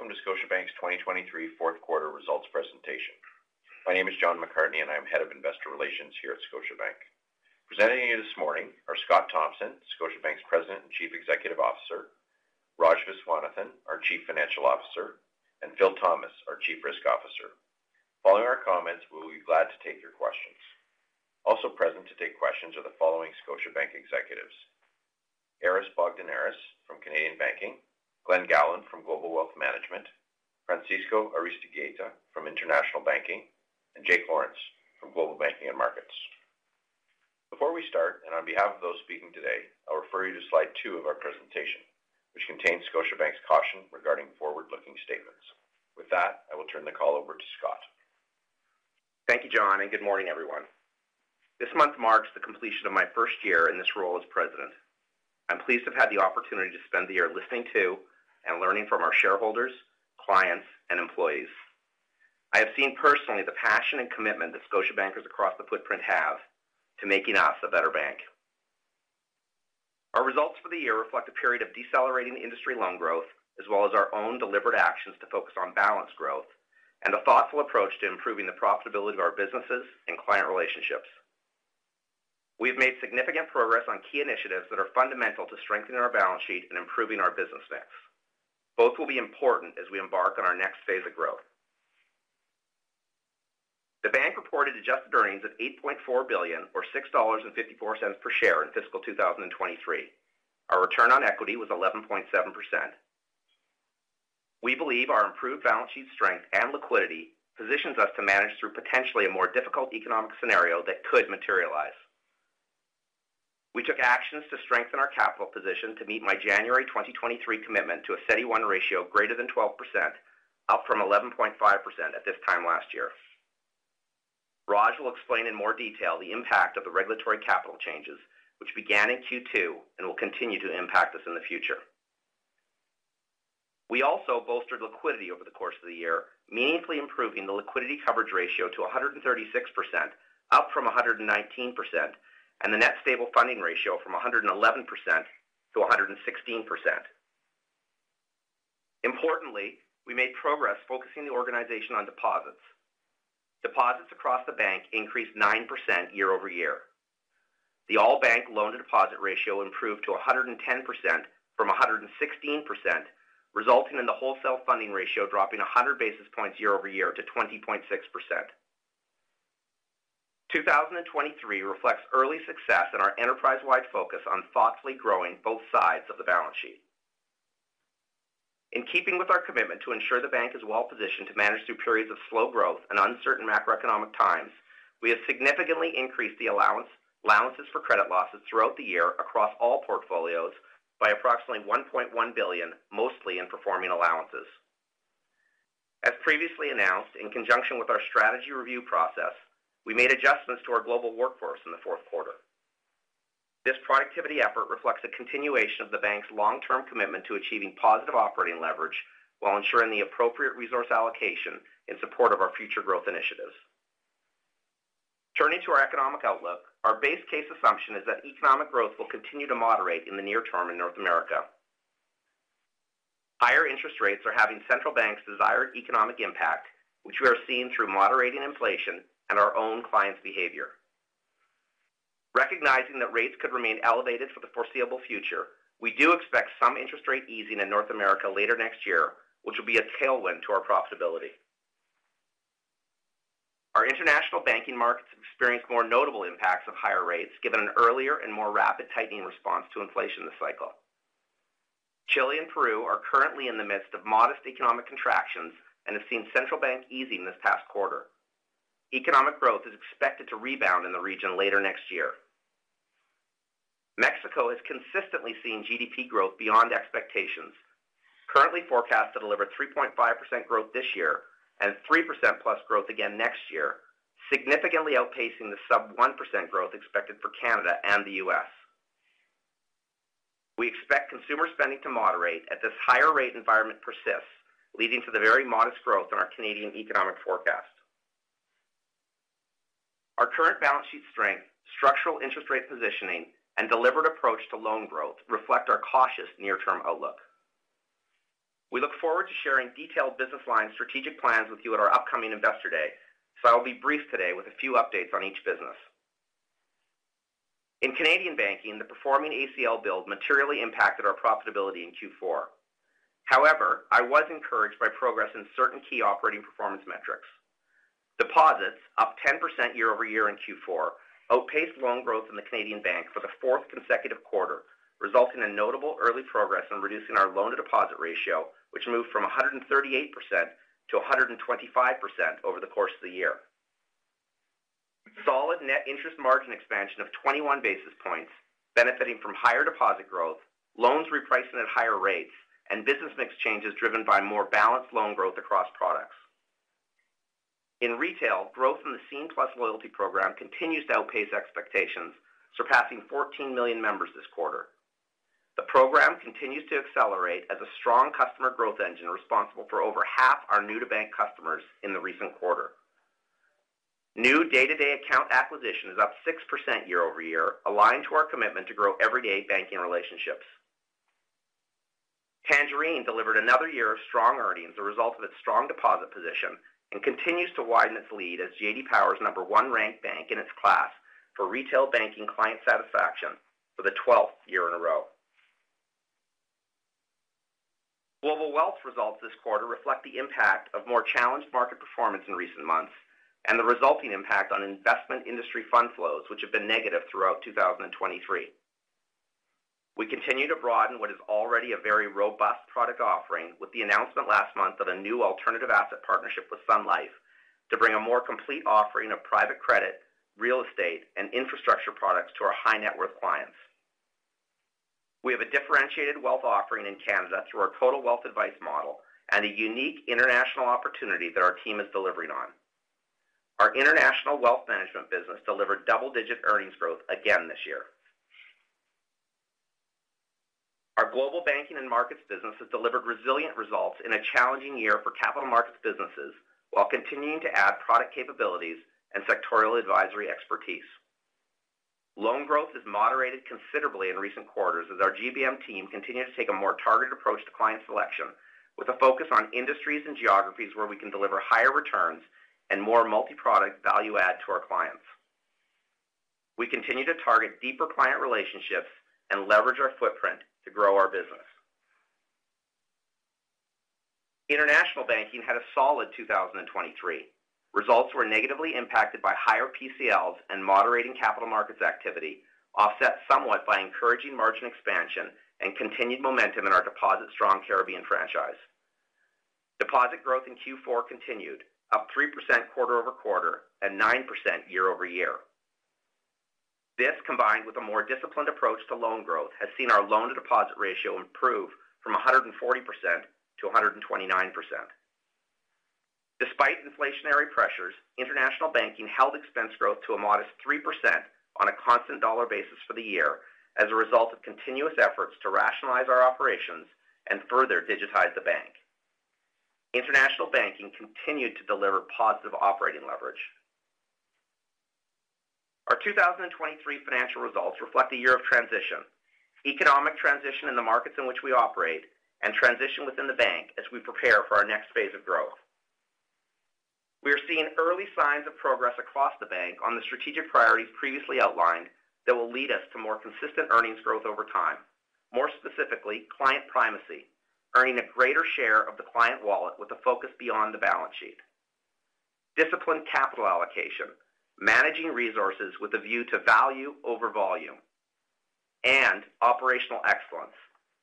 Good morning, and welcome to Scotiabank's 2023 Fourth Quarter Results presentation. My name is John McCartney, and I'm Head of Investor Relations here at Scotiabank. Presenting you this morning are Scott Thomson, Scotiabank's President and Chief Executive Officer, Raj Viswanathan, our Chief Financial Officer, and Phil Thomas, our Chief Risk Officer. Following our comments, we will be glad to take your questions. Also present to take questions are the following Scotiabank executives: Aris Bogdaneris from Canadian Banking, Glen Gowland from Global Wealth Management, Francisco Aristeguieta from International Banking, and Jake Lawrence from Global Banking and Markets. Before we start, and on behalf of those speaking today, I'll refer you to slide two of our presentation, which contains Scotiabank's caution regarding forward-looking statements. With that, I will turn the call over to Scott. Thank you, John, and good morning, everyone. This month marks the completion of my first year in this role as president. I'm pleased to have had the opportunity to spend the year listening to and learning from our shareholders, clients, and employees. I have seen personally the passion and commitment that Scotiabankers across the footprint have to making us a better bank. Our results for the year reflect a period of decelerating industry loan growth, as well as our own deliberate actions to focus on balanced growth and a thoughtful approach to improving the profitability of our businesses and client relationships. We've made significant progress on key initiatives that are fundamental to strengthening our balance sheet and improving our business mix. Both will be important as we embark on our next phase of growth. The bank reported adjusted earnings of 8.4 billion or 6.54 dollars per share in fiscal 2023. Our return on equity was 11.7%. We believe our improved balance sheet strength and liquidity positions us to manage through potentially a more difficult economic scenario that could materialize. We took actions to strengthen our capital position to meet my January 2023 commitment to a CET1 ratio greater than 12%, up from 11.5% at this time last year. Raj will explain in more detail the impact of the regulatory capital changes, which began in Q2 and will continue to impact us in the future. We also bolstered liquidity over the course of the year, meaningfully improving the liquidity coverage ratio to 136%, up from 119%, and the net stable funding ratio from 111% to 116%. Importantly, we made progress focusing the organization on deposits. Deposits across the bank increased 9% year-over-year. The all-bank loan-to-deposit ratio improved to 110% from 116%, resulting in the wholesale funding ratio dropping 100 basis points year-over-year to 20.6%. 2023 reflects early success in our enterprise-wide focus on thoughtfully growing both sides of the balance sheet. In keeping with our commitment to ensure the bank is well positioned to manage through periods of slow growth and uncertain macroeconomic times, we have significantly increased the allowance, allowances for credit losses throughout the year across all portfolios by approximately 1.1 billion, mostly in performing allowances. As previously announced, in conjunction with our strategy review process, we made adjustments to our global workforce in the fourth quarter. This productivity effort reflects a continuation of the bank's long-term commitment to achieving positive operating leverage while ensuring the appropriate resource allocation in support of our future growth initiatives. Turning to our economic outlook, our base case assumption is that economic growth will continue to moderate in the near term in North America. Higher interest rates are having central banks' desired economic impact, which we are seeing through moderating inflation and our own clients' behavior. Recognizing that rates could remain elevated for the foreseeable future, we do expect some interest rate easing in North America later next year, which will be a tailwind to our profitability. Our international banking markets experienced more notable impacts of higher rates, given an earlier and more rapid tightening response to inflation this cycle. Chile and Peru are currently in the midst of modest economic contractions and have seen central bank easing this past quarter. Economic growth is expected to rebound in the region later next year. Mexico has consistently seen GDP growth beyond expectations, currently forecast to deliver 3.5% growth this year and 3%+ growth again next year, significantly outpacing the sub -1% growth expected for Canada and the U.S. We expect consumer spending to moderate as this higher rate environment persists, leading to the very modest growth in our Canadian economic forecast. Our current balance sheet strength, structural interest rate positioning, and deliberate approach to loan growth reflect our cautious near-term outlook. We look forward to sharing detailed business line strategic plans with you at our upcoming Investor Day, so I will be brief today with a few updates on each business. In Canadian Banking, the performing ACL build materially impacted our profitability in Q4. However, I was encouraged by progress in certain key operating performance metrics. Deposits, up 10% year-over-year in Q4, outpaced loan growth in the Canadian bank for the fourth consecutive quarter, resulting in notable early progress on reducing our loan-to-deposit ratio, which moved from 138%-125% over the course of the year. Solid net interest margin expansion of 21 basis points, benefiting from higher deposit growth, loans repriced at higher rates, and business mix changes driven by more balanced loan growth across products. In retail, growth in the Scene+ loyalty program continues to outpace expectations, surpassing 14 million members this quarter. The program continues to accelerate as a strong customer growth engine, responsible for over half our new-to-bank customers in the recent quarter. New day-to-day account acquisition is up 6% year-over-year, aligned to our commitment to grow everyday banking relationships. Tangerine delivered another year of strong earnings, a result of its strong deposit position, and continues to widen its lead as J.D. Power's number one ranked bank in its class for retail banking client satisfaction for the 12th year in a row. Global Wealth results this quarter reflect the impact of more challenged market performance in recent months and the resulting impact on investment industry fund flows, which have been negative throughout 2023. We continue to broaden what is already a very robust product offering, with the announcement last month of a new alternative asset partnership with Sun Life to bring a more complete offering of private credit, real estate, and infrastructure products to our high net worth clients. We have a differentiated wealth offering in Canada through our Total Wealth Advice model and a unique international opportunity that our team is delivering on. Our International Wealth Management business delivered double-digit earnings growth again this year. Our Global Banking and Markets business has delivered resilient results in a challenging year for capital markets businesses, while continuing to add product capabilities and sectoral advisory expertise. Loan growth has moderated considerably in recent quarters as our GBM team continues to take a more targeted approach to client selection, with a focus on industries and geographies where we can deliver higher returns and more multi-product value add to our clients. We continue to target deeper client relationships and leverage our footprint to grow our business. International Banking had a solid 2023. Results were negatively impacted by higher PCLs and moderating capital markets activity, offset somewhat by encouraging margin expansion and continued momentum in our deposit-strong Caribbean franchise. Deposit growth in Q4 continued, up 3% quarter-over-quarter and 9% year-over-year. This, combined with a more disciplined approach to loan growth, has seen our loan-to-deposit ratio improve from 140%-129%. Despite inflationary pressures, International Banking held expense growth to a modest 3% on a constant dollar basis for the year, as a result of continuous efforts to rationalize our operations and further digitize the bank. International Banking continued to deliver positive operating leverage. Our 2023 financial results reflect a year of transition, economic transition in the markets in which we operate, and transition within the bank as we prepare for our next phase of growth. We are seeing early signs of progress across the bank on the strategic priorities previously outlined that will lead us to more consistent earnings growth over time. More specifically, client primacy, earning a greater share of the client wallet with a focus beyond the balance sheet. Disciplined capital allocation, managing resources with a view to value over volume, and operational excellence,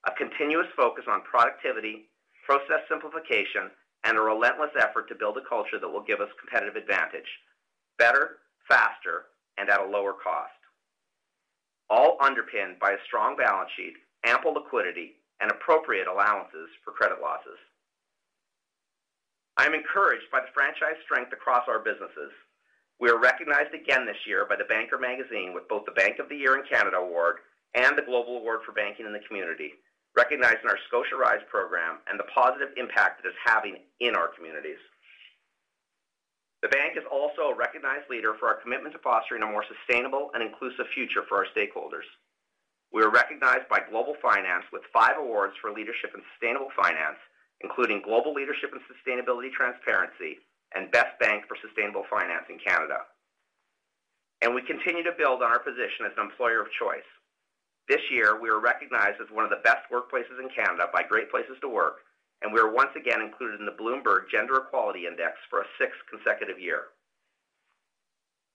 a continuous focus on productivity, process simplification, and a relentless effort to build a culture that will give us competitive advantage, better, faster, and at a lower cost, all underpinned by a strong balance sheet, ample liquidity, and appropriate allowances for credit losses. I'm encouraged by the franchise strength across our businesses. We are recognized again this year by The Banker magazine with both the Bank of the Year in Canada award and the Global Award for Banking in the Community, recognizing our Scotia Rise program and the positive impact it is having in our communities. The bank is also a recognized leader for our commitment to fostering a more sustainable and inclusive future for our stakeholders. We are recognized by Global Finance with five awards for leadership in sustainable finance, including Global Leadership in Sustainability Transparency and Best Bank for Sustainable Finance in Canada. We continue to build on our position as an employer of choice. This year, we were recognized as one of the best workplaces in Canada by Great Place to Work, and we are once again included in the Bloomberg Gender Equality Index for a sixth consecutive year.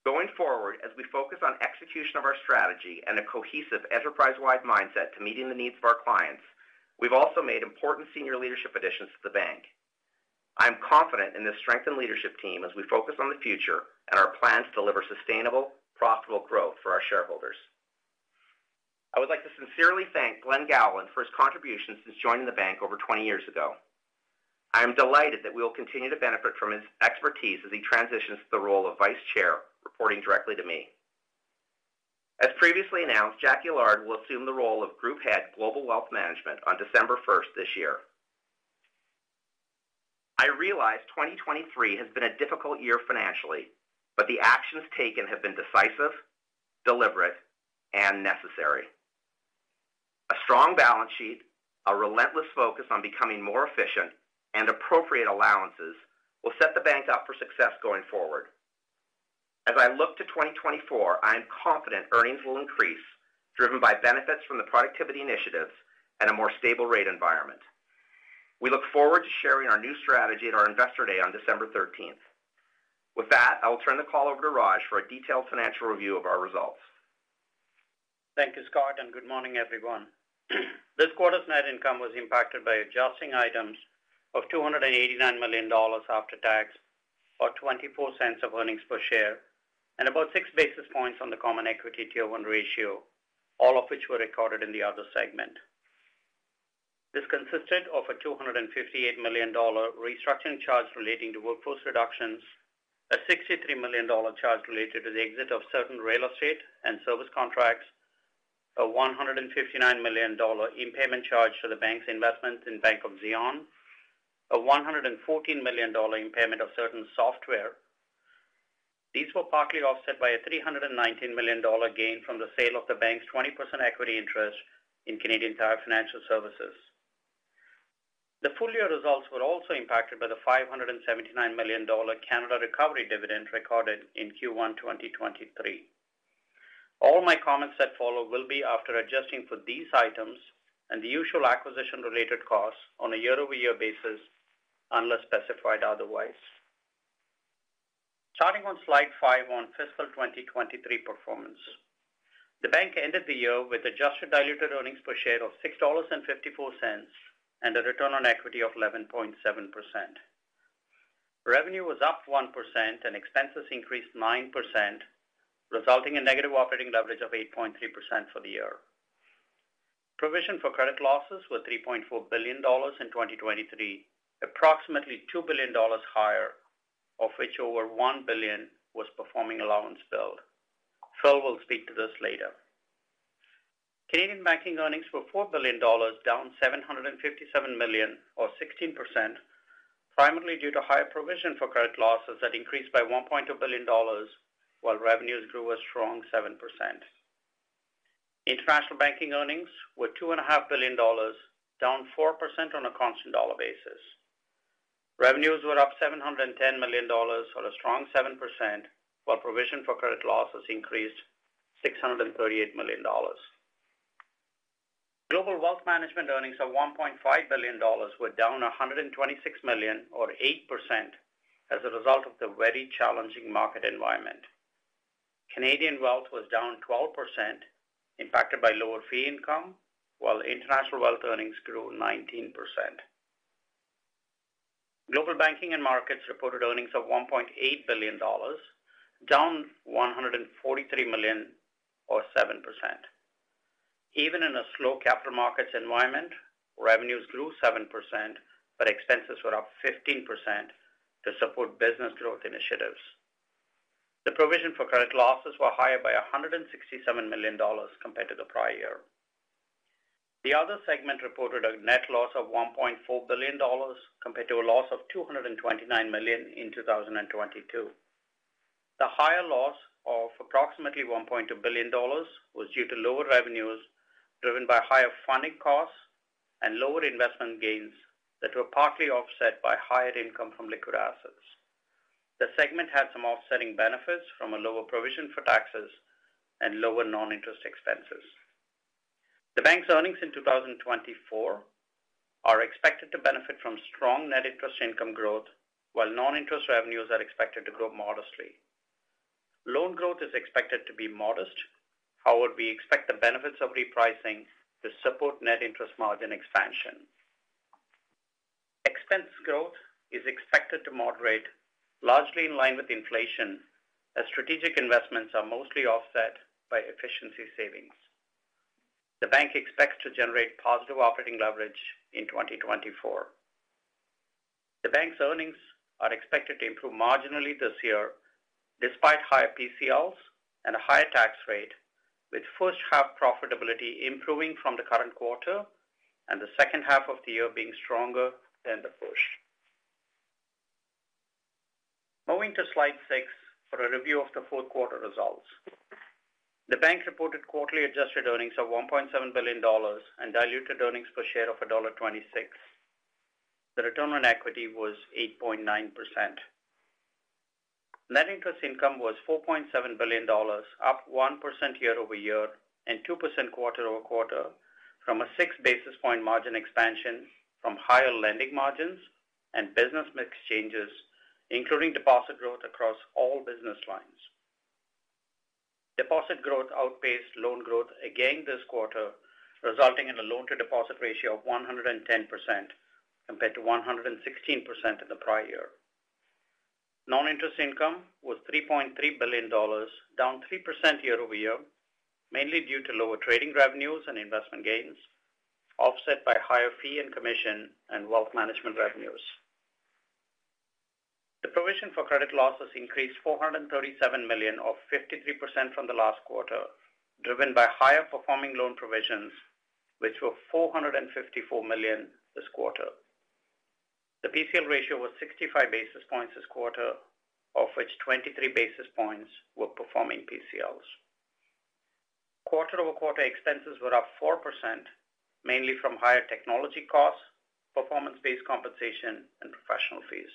Going forward, as we focus on execution of our strategy and a cohesive enterprise-wide mindset to meeting the needs of our clients, we've also made important senior leadership additions to the bank. I'm confident in this strengthened leadership team as we focus on the future and our plans to deliver sustainable, profitable growth for our shareholders. I would like to sincerely thank Glen Gowland for his contributions since joining the bank over 20 years ago. I am delighted that we will continue to benefit from his expertise as he transitions to the role of Vice Chair, reporting directly to me. As previously announced, Jacqui Allard will assume the role of Group Head, Global Wealth Management, on December 1st this year. I realize 2023 has been a difficult year financially, but the actions taken have been decisive, deliberate, and necessary. A strong balance sheet, a relentless focus on becoming more efficient, and appropriate allowances will set the bank up for success going forward. As I look to 2024, I am confident earnings will increase, driven by benefits from the productivity initiatives and a more stable rate environment. We look forward to sharing our new strategy at our Investor Day on December 13. With that, I will turn the call over to Raj for a detailed financial review of our results. Thank you, Scott, and good morning, everyone. This quarter's net income was impacted by adjusting items of 289 million dollars after tax, or 0.24 of earnings per share, and about six basis points on the Common Equity Tier 1 ratio, all of which were recorded in the other segment. This consisted of a 258 million dollar restructuring charge relating to workforce reductions, a 63 million dollar charge related to the exit of certain real estate and service contracts, a 159 million dollar impairment charge to the bank's investment in Bank of Xi'an, a 114 million dollar impairment of certain software. These were partly offset by a $319 million gain from the sale of the bank's 20% equity interest in Canadian Tire Financial Services. The full year results were also impacted by the $579 million Canada Recovery Dividend recorded in Q1 2023. All my comments that follow will be after adjusting for these items and the usual acquisition-related costs on a year-over-year basis, unless specified otherwise. Starting on slide five on fiscal 2023 performance. The bank ended the year with adjusted diluted earnings per share of 6.54 dollars, and a return on equity of 11.7%. Revenue was up 1% and expenses increased 9%, resulting in negative operating leverage of 8.3% for the year. Provision for credit losses were $3.4 billion in 2023, approximately $2 billion higher, of which over 1 billion was performing allowance build. Phil will speak to this later. Canadian Banking earnings were $4 billion, down 757 million or 16%, primarily due to higher provision for credit losses that increased by $1.2 billion, while revenues grew a strong 7%. International Banking earnings were $2.5 billion, down 4% on a constant dollar basis. Revenues were up $710 million, or a strong 7%, while provision for credit losses increased $638 million. Global wealth management earnings of $1.5 billion were down 126 million, or 8%, as a result of the very challenging market environment. Canadian wealth was down 12%, impacted by lower fee income, while international wealth earnings grew 19%. Global Banking and Markets reported earnings of $1.8 billion, down 143 million or 7%. Even in a slow capital markets environment, revenues grew 7%, but expenses were up 15% to support business growth initiatives. The provision for credit losses were higher by $167 million compared to the prior year. The other segment reported a net loss of $1.4 billion compared to a loss of 229 million in 2022. The higher loss of approximately $1.2 billion was due to lower revenues, driven by higher funding costs and lower investment gains that were partly offset by higher income from liquid assets. The segment had some offsetting benefits from a lower provision for taxes and lower non-interest expenses. The bank's earnings in 2024 are expected to benefit from strong net interest income growth, while non-interest revenues are expected to grow modestly. Loan growth is expected to be modest. However, we expect the benefits of repricing to support net interest margin expansion. Expense growth is expected to moderate, largely in line with inflation, as strategic investments are mostly offset by efficiency savings. The bank expects to generate positive operating leverage in 2024. The bank's earnings are expected to improve marginally this year, despite higher PCLs and a higher tax rate, with first half profitability improving from the current quarter and the second half of the year being stronger than the first. Moving to slide six for a review of the fourth quarter results. The bank reported quarterly adjusted earnings of $1.7 billion and diluted earnings per share of dollar 1.26. The return on equity was 8.9%. Net interest income was $4.7 billion, up 1% year-over-year and 2% quarter-over-quarter from a six basis points margin expansion from higher lending margins and business mix changes, including deposit growth across all business lines. Deposit growth outpaced loan growth again this quarter, resulting in a loan-to-deposit ratio of 110%, compared to 116% in the prior year. Non-interest income was 3.3 billion dollars, down 3% year-over-year, mainly due to lower trading revenues and investment gains, offset by higher fee and commission and wealth management revenues. The provision for credit losses increased 437 million, or 53% from the last quarter, driven by higher performing loan provisions, which were 454 million this quarter. The PCL ratio was 65 basis points this quarter, of which 23 basis points were performing PCLs. Quarter-over-quarter expenses were up 4%, mainly from higher technology costs, performance-based compensation, and professional fees.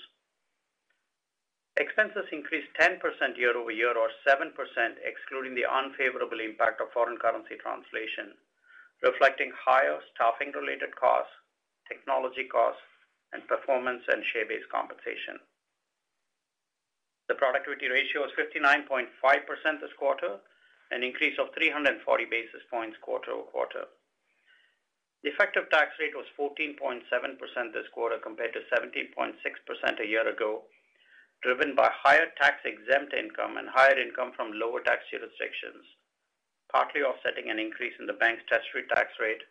Expenses increased 10% year-over-year, or 7%, excluding the unfavorable impact of foreign currency translation, reflecting higher staffing-related costs, technology costs, and performance and share-based compensation. The productivity ratio is 59.5% this quarter, an increase of 340 basis points quarter over quarter. The effective tax rate was 14.7% this quarter, compared to 17.6% a year ago, driven by higher tax-exempt income and higher income from lower tax jurisdictions, partly offsetting an increase in the bank's treasury tax rate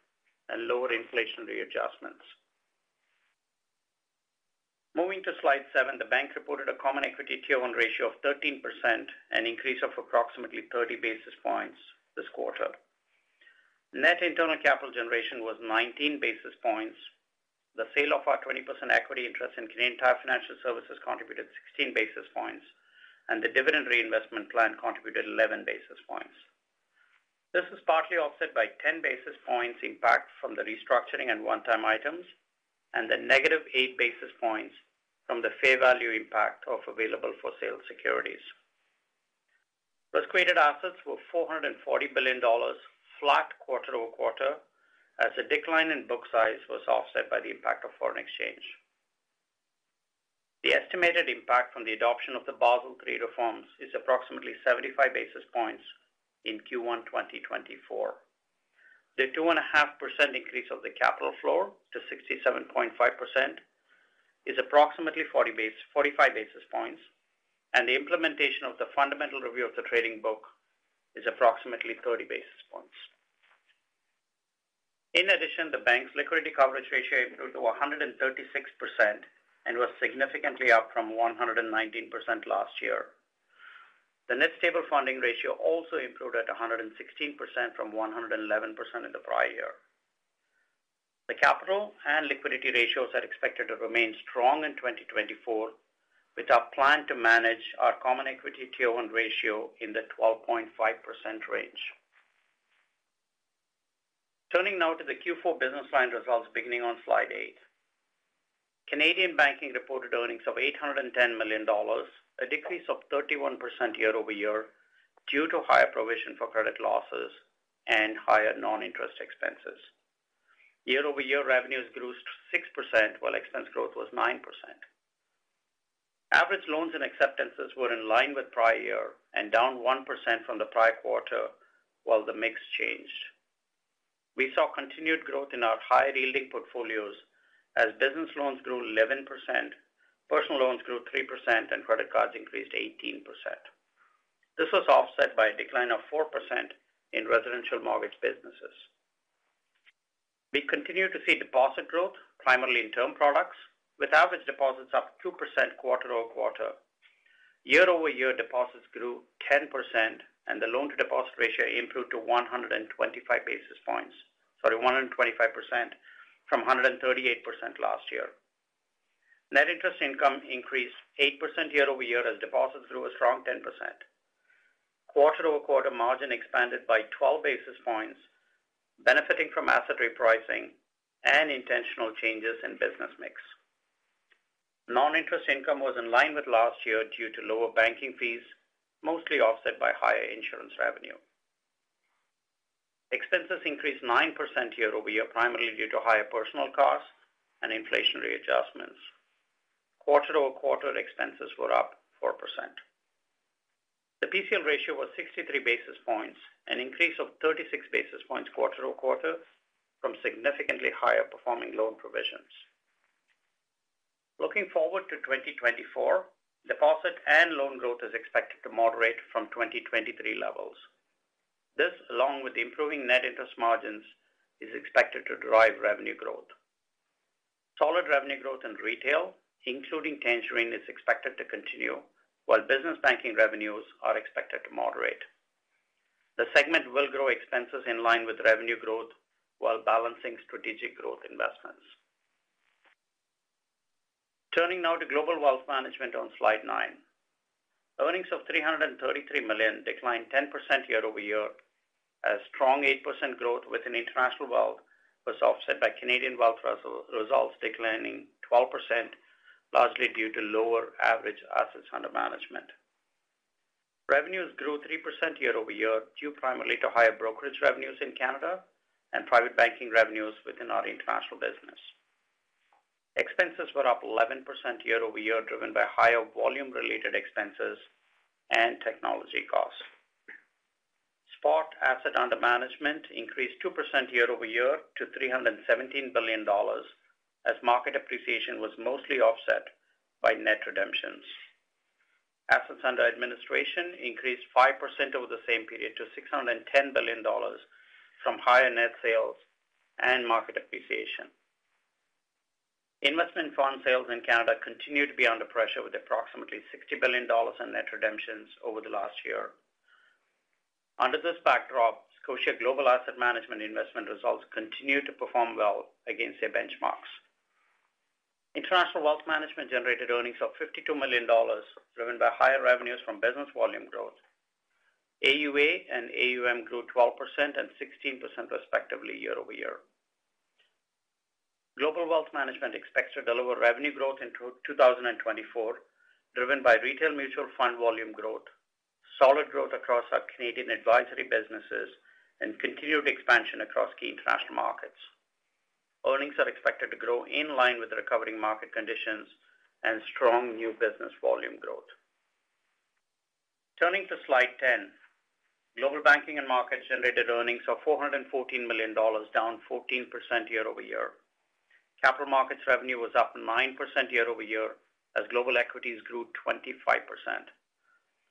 and lower inflationary adjustments. Moving to Slide seven, the bank reported a Common Equity Tier 1 ratio of 13%, an increase of approximately 30 basis points this quarter. Net internal capital generation was 19 basis points. The sale of our 20% equity interest in Canadian Tire Financial Services contributed 16 basis points, and the dividend reinvestment plan contributed 11 basis points. This was partly offset by 10 basis points impact from the restructuring and one-time items, and the -8 basis points from the fair value impact of available for sale securities. Risk-weighted assets were $440 billion, flat quarter-over-quarter, as the decline in book size was offset by the impact of foreign exchange. The estimated impact from the adoption of the Basel III reforms is approximately 75 basis points in Q1 2024. The 2.5% increase of the capital floor to 67.5% is approximately 45 basis points, and the implementation of the Fundamental Review of the Trading Book is approximately 30 basis points. In addition, the bank's liquidity coverage ratio improved to 136% and was significantly up from 119% last year. The net stable funding ratio also improved at 116% from 111% in the prior year. The capital and liquidity ratios are expected to remain strong in 2024, with our plan to manage our Common Equity Tier 1 ratio in the 12.5% range. Turning now to the Q4 business line results beginning on Slide eight. Canadian Banking reported earnings of $810 million, a decrease of 31% year-over-year, due to higher provision for credit losses and higher non-interest expenses. Year-over-year revenues grew 6%, while expense growth was 9%. Average loans and acceptances were in line with prior year and down 1% from the prior quarter, while the mix changed. We saw continued growth in our higher-yielding portfolios as business loans grew 11%, personal loans grew 3%, and credit cards increased 18%. This was offset by a decline of 4% in residential mortgage businesses. We continue to see deposit growth, primarily in term products, with average deposits up 2% quarter-over-quarter. Year-over-year deposits grew 10%, and the loan-to-deposit ratio improved to 125 basis points sorry, 125% from 138% last year. Net interest income increased 8% year-over-year as deposits grew a strong 10%. Quarter-over-quarter margin expanded by 12 basis points, benefiting from asset repricing and intentional changes in business mix. Non-interest income was in line with last year due to lower banking fees, mostly offset by higher insurance revenue. Expenses increased 9% year-over-year, primarily due to higher personal costs and inflationary adjustments. Quarter-over-quarter expenses were up 4%. The PCL ratio was 63 basis points, an increase of 36 basis points quarter-over-quarter from significantly higher performing loan provisions. Looking forward to 2024, deposit and loan growth is expected to moderate from 2023 levels. This, along with improving net interest margins, is expected to drive revenue growth. Solid revenue growth in retail, including Tangerine, is expected to continue, while business banking revenues are expected to moderate. The segment will grow expenses in line with revenue growth while balancing strategic growth investments. Turning now to Global Wealth Management on Slide nine. Earnings of 333 million declined 10% year-over-year, as strong 8% growth within international wealth was offset by Canadian wealth results declining 12%, largely due to lower average assets under management. Revenues grew 3% year-over-year, due primarily to higher brokerage revenues in Canada and private banking revenues within our international business. Expenses were up 11% year-over-year, driven by higher volume-related expenses and technology costs. Spot assets under management increased 2% year-over-year to $317 billion, as market appreciation was mostly offset by net redemptions. Assets under administration increased 5% over the same period to $610 billion from higher net sales and market appreciation. Investment fund sales in Canada continued to be under pressure, with approximately $60 billion in net redemptions over the last year. Under this backdrop, Scotia Global Asset Management investment results continued to perform well against their benchmarks. International Wealth Management generated earnings of $52 million, driven by higher revenues from business volume growth. AUA and AUM grew 12% and 16% respectively year-over-year. Global Wealth Management expects to deliver revenue growth in 2024, driven by retail mutual fund volume growth, solid growth across our Canadian advisory businesses, and continued expansion across key international markets. Earnings are expected to grow in line with recovering market conditions and strong new business volume growth. Turning to Slide 10, Global Banking and Markets generated earnings of $414 million, down 14% year-over-year. Capital markets revenue was up 9% year-over-year as global equities grew 25%.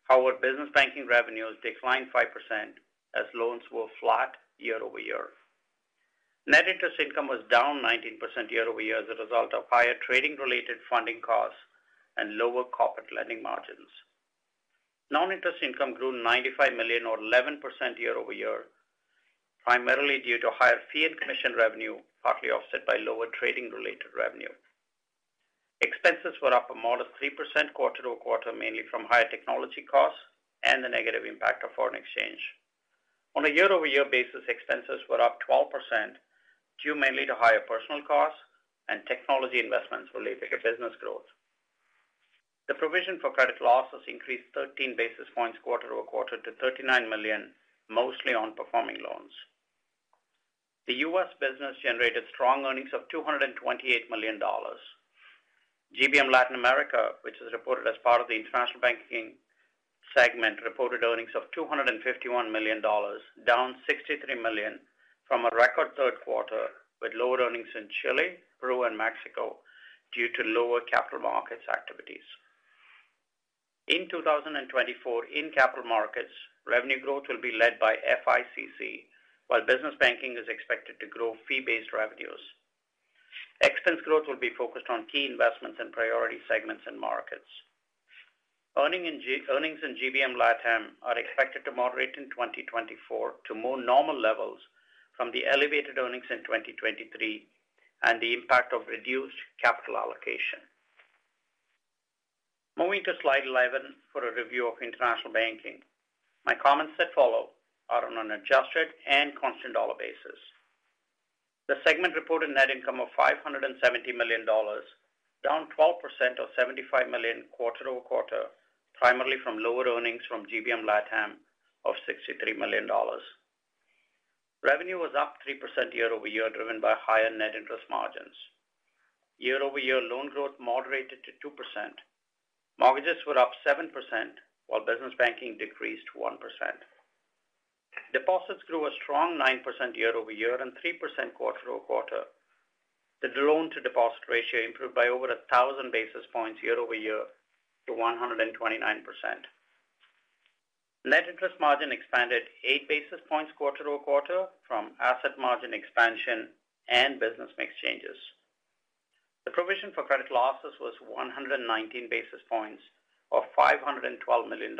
However, business banking revenues declined 5% as loans were flat year-over-year. Net interest income was down 19% year-over-year as a result of higher trading-related funding costs and lower corporate lending margins. Non-interest income grew 95 million, or 11% year-over-year, primarily due to higher fee and commission revenue, partly offset by lower trading-related revenue. Expenses were up a modest 3% quarter-over-quarter, mainly from higher technology costs and the negative impact of foreign exchange. On a year-over-year basis, expenses were up 12%, due mainly to higher personal costs and technology investments related to business growth. The provision for credit losses increased 13 basis points quarter-over-quarter to 39 million, mostly on performing loans. The U.S. business generated strong earnings of $228 million. GBM Latin America, which is reported as part of the international banking segment, reported earnings of $251 million, down 63 million from a record third quarter, with lower earnings in Chile, Peru and Mexico due to lower capital markets activities. In 2024, in capital markets, revenue growth will be led by FICC, while business banking is expected to grow fee-based revenues. Expense growth will be focused on key investments in priority segments and markets. Earnings in GBM LatAm are expected to moderate in 2024 to more normal levels from the elevated earnings in 2023 and the impact of reduced capital allocation. Moving to slide 11 for a review of international banking. My comments that follow are on an adjusted and constant dollar basis. The segment reported net income of $570 million, down 12%, or 75 million quarter-over-quarter, primarily from lower earnings from GBM LatAm of $63 million. Revenue was up 3% year-over-year, driven by higher net interest margins. Year-over-year loan growth moderated to 2%. Mortgages were up 7%, while business banking decreased 1%. Deposits grew a strong 9% year-over-year and 3% quarter-over-quarter. The loan to deposit ratio improved by over 1,000 basis points year-over-year to 129%. Net interest margin expanded eight basis points quarter-over-quarter from asset margin expansion and business mix changes. The provision for credit losses was 119 basis points, or $512 million,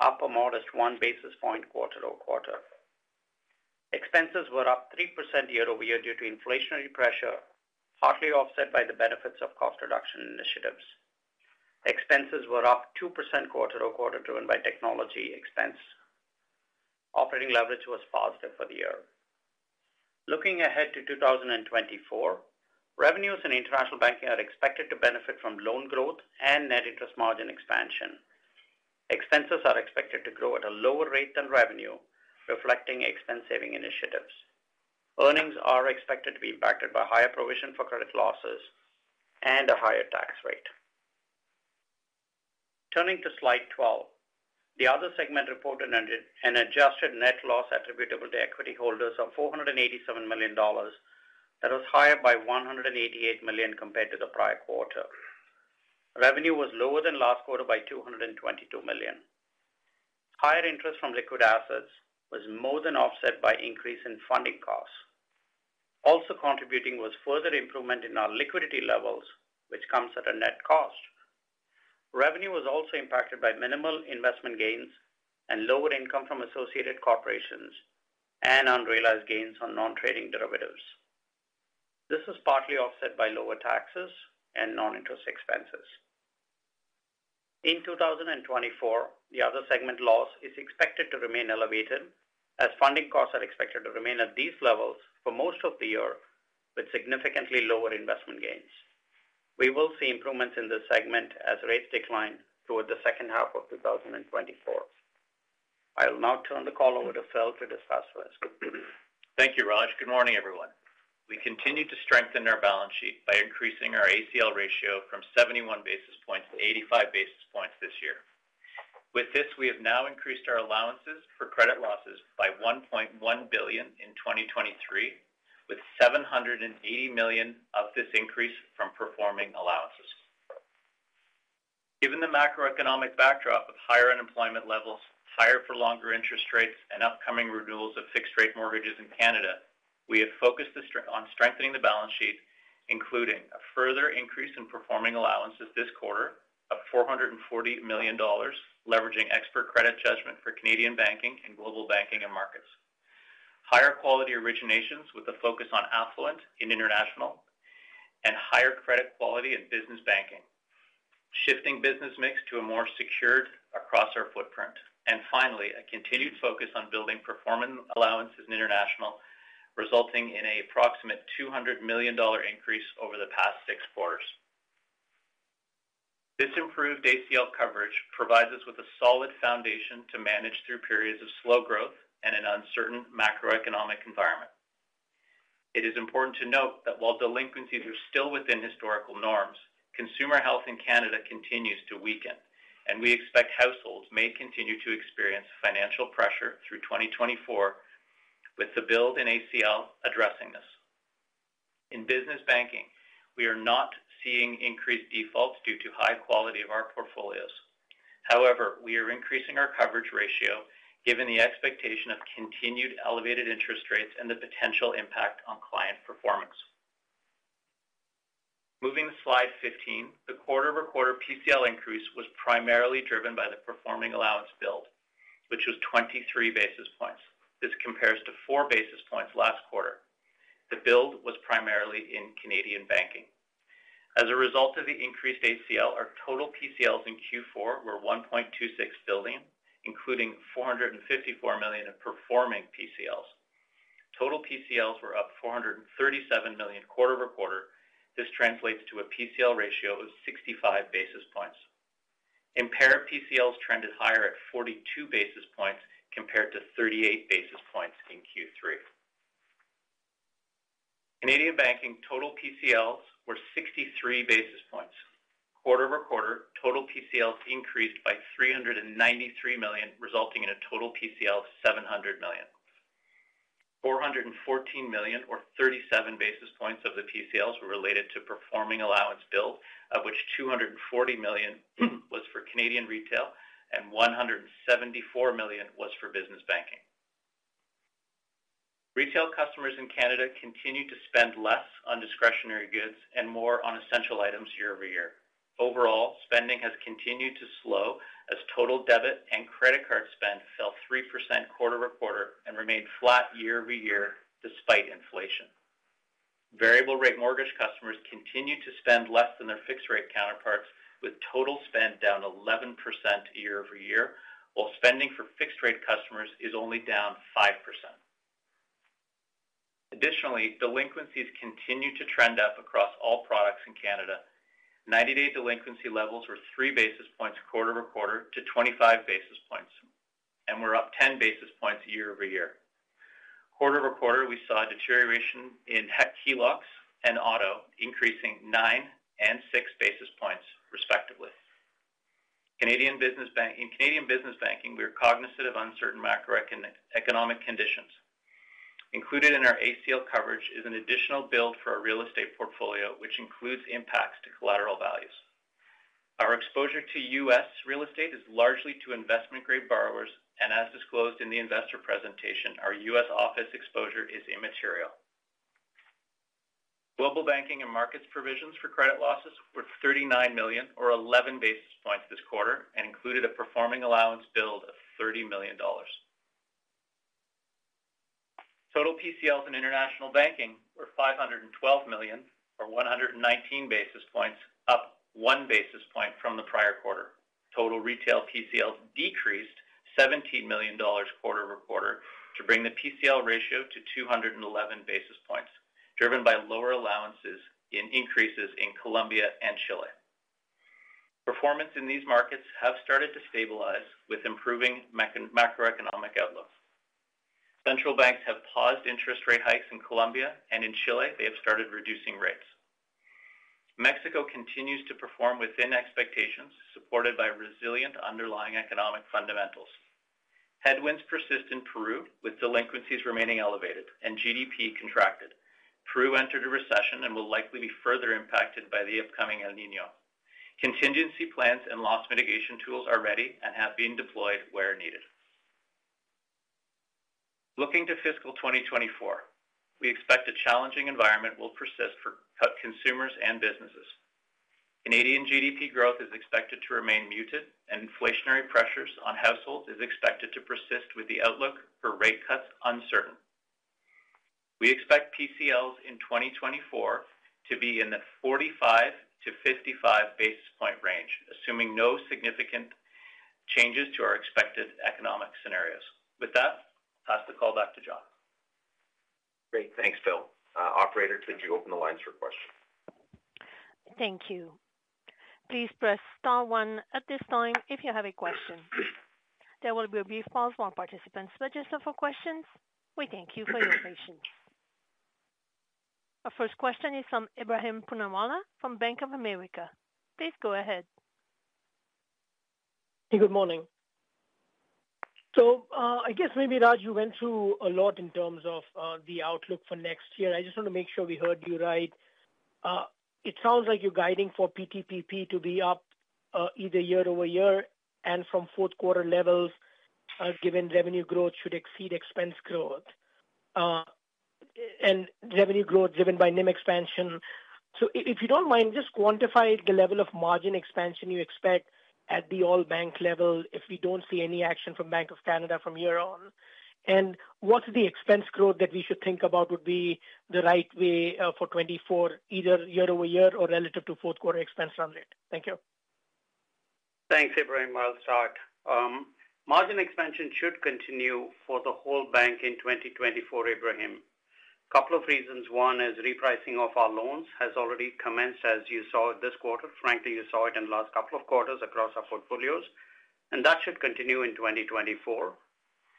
up a modest one basis point quarter-over-quarter. Expenses were up 3% year-over-year due to inflationary pressure, partly offset by the benefits of cost reduction initiatives. Expenses were up 2% quarter-over-quarter, driven by technology expense. Operating leverage was positive for the year. Looking ahead to 2024, revenues in international banking are expected to benefit from loan growth and net interest margin expansion. Expenses are expected to grow at a lower rate than revenue, reflecting expense saving initiatives. Earnings are expected to be impacted by higher provision for credit losses and a higher tax rate. Turning to slide 12, the other segment reported an adjusted net loss attributable to equity holders of $487 million. That was higher by 188 million compared to the prior quarter. Revenue was lower than last quarter by 222 million. Higher interest from liquid assets was more than offset by increase in funding costs. Also contributing was further improvement in our liquidity levels, which comes at a net cost. Revenue was also impacted by minimal investment gains and lower income from associated corporations and unrealized gains on non-trading derivatives. This is partly offset by lower taxes and non-interest expenses. In 2024, the other segment loss is expected to remain elevated, as funding costs are expected to remain at these levels for most of the year, with significantly lower investment gains. We will see improvements in this segment as rates decline toward the second half of 2024. I will now turn the call over to Phil to discuss risk. Thank you, Raj. Good morning, everyone. We continue to strengthen our balance sheet by increasing our ACL ratio from 71 basis points to 85 basis points this year. With this, we have now increased our allowances for credit losses by 1.1 billion in 2023, with 780 million of this increase from performing allowances. Given the macroeconomic backdrop of higher unemployment levels, higher for longer interest rates, and upcoming renewals of fixed rate mortgages in Canada, we have focused on strengthening the balance sheet, including a further increase in performing allowances this quarter of $440 million, leveraging expert credit judgment for Canadian Banking and global banking and markets; higher quality originations with a focus on affluent in international, and higher credit quality in business banking; shifting business mix to a more secured across our footprint. Finally, a continued focus on building performing allowances in international, resulting in approximate $200 million increase over the past six quarters. This improved ACL coverage provides us with a solid foundation to manage through periods of slow growth and an uncertain macroeconomic environment. It is important to note that while delinquencies are still within historical norms, consumer health in Canada continues to weaken, and we expect households may continue to experience financial pressure through 2024, with the build in ACL addressing this. In business banking, we are not seeing increased defaults due to high quality of our portfolios. However, we are increasing our coverage ratio given the expectation of continued elevated interest rates and the potential impact on client performance. Moving to slide 15, the quarter-over-quarter PCL increase was primarily driven by the performing allowance build, which was 23 basis points. This compares to four basis points last quarter. The build was primarily in Canadian Banking. As a result of the increased ACL, our total PCLs in Q4 were 1.26 billion, including 454 million in performing PCLs. Total PCLs were up 437 million quarter-over-quarter. This translates to a PCL ratio of 65 basis points. Impaired PCLs trended higher at 42 basis points compared to 38 basis points in Q3. Canadian Banking total PCLs were 63 basis points. Quarter-over-quarter, total PCLs increased by 393 million, resulting in a total PCL of 700 million. 414 million or 37 basis points of the PCLs were related to performing allowance build, of which 240 million was for Canadian retail and 174 million was for business banking. Retail customers in Canada continued to spend less on discretionary goods and more on essential items year over year. Overall, spending has continued to slow as total debit and credit card spend fell 3% quarter over quarter and remained flat year over year despite inflation. Variable rate mortgage customers continued to spend less than their fixed rate counterparts, with total spend down 11% year over year, while spending for fixed rate customers is only down 5%. Additionally, delinquencies continue to trend up across all products in Canada. 90 day delinquency levels were three basis points quarter over quarter to 25 basis points, and were up 10 basis points year over year. Quarter over quarter, we saw a deterioration in HELOCs and auto, increasing nine and six basis points, respectively. In Canadian business banking, we are cognizant of uncertain macroeconomic conditions. Included in our ACL coverage is an additional build for our real estate portfolio, which includes impacts to collateral values. Our exposure to U.S. real estate is largely to investment-grade borrowers, and as disclosed in the investor presentation, our U.S. office exposure is immaterial. Global Banking and Markets provisions for credit losses were 39 million or 11 basis points this quarter and included a performing allowance build of 30 million dollars. Total PCLs in international banking were 512 million, or 119 basis points, up one basis point from the prior quarter. Total retail PCLs decreased 17 million dollars quarter-over-quarter to bring the PCL ratio to 211 basis points, driven by lower allowances in increases in Colombia and Chile. Performance in these markets have started to stabilize, with improving macroeconomic outlooks. Central banks have paused interest rate hikes in Colombia, and in Chile, they have started reducing rates. Mexico continues to perform within expectations, supported by resilient underlying economic fundamentals. Headwinds persist in Peru, with delinquencies remaining elevated and GDP contracted. Peru entered a recession and will likely be further impacted by the upcoming El Niño. Contingency plans and loss mitigation tools are ready and have been deployed where needed. Looking to fiscal 2024, we expect a challenging environment will persist for consumers and businesses. Canadian GDP growth is expected to remain muted, and inflationary pressures on households is expected to persist with the outlook for rate cuts uncertain. We expect PCLs in 2024 to be in the 45-55 basis point range, assuming no significant changes to our expected economic scenarios. With that, I'll pass the call back to John. Great. Thanks, Phil. Operator, could you open the lines for questions? Thank you. Please press star one at this time if you have a question. There will be a brief pause while participants register for questions. We thank you for your patience. Our first question is from Ebrahim Poonawala from Bank of America. Please go ahead. Hey, good morning. So, I guess maybe, Raj, you went through a lot in terms of the outlook for next year. I just want to make sure we heard you right. It sounds like you're guiding for PTPP to be up, either year over year and from fourth quarter levels, given revenue growth should exceed expense growth, and revenue growth driven by NIM expansion. So if you don't mind, just quantify the level of margin expansion you expect at the all-bank level if we don't see any action from Bank of Canada from here on. And what's the expense growth that we should think about would be the right way, for 2024, either year over year or relative to fourth quarter expense run rate? Thank you. Thanks, Ebrahim, we'll start. Margin expansion should continue for the whole bank in 2024, Ebrahim. Couple of reasons. One is repricing of our loans has already commenced, as you saw this quarter. Frankly, you saw it in the last couple of quarters across our portfolios, and that should continue in 2024.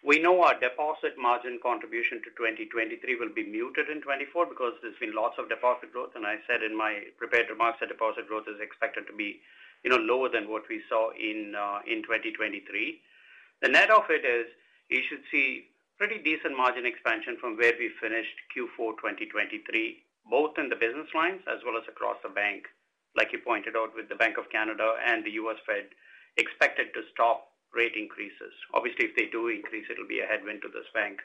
We know our deposit margin contribution to 2023 will be muted in 2024 because there's been lots of deposit growth, and I said in my prepared remarks that deposit growth is expected to be, you know, lower than what we saw in in 2023.... the net of it is, you should see pretty decent margin expansion from where we finished Q4, 2023, both in the business lines as well as across the bank, like you pointed out, with the Bank of Canada and the U.S. Fed expected to stop rate increases. Obviously, if they do increase, it'll be a headwind to this bank.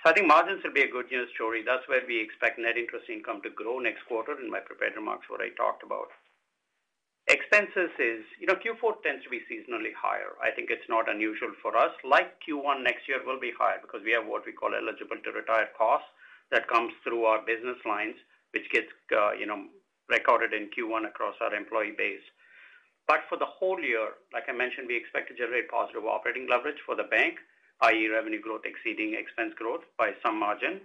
So I think margins will be a good news story. That's where we expect net interest income to grow next quarter, in my prepared remarks, what I talked about. Expenses is, you know, Q4 tends to be seasonally higher. I think it's not unusual for us. Like Q1 next year will be higher because we have what we call eligible to retire costs that comes through our business lines, which gets, you know, recorded in Q1 across our employee base. But for the whole year, like I mentioned, we expect to generate positive operating leverage for the bank, i.e., revenue growth exceeding expense growth by some margin.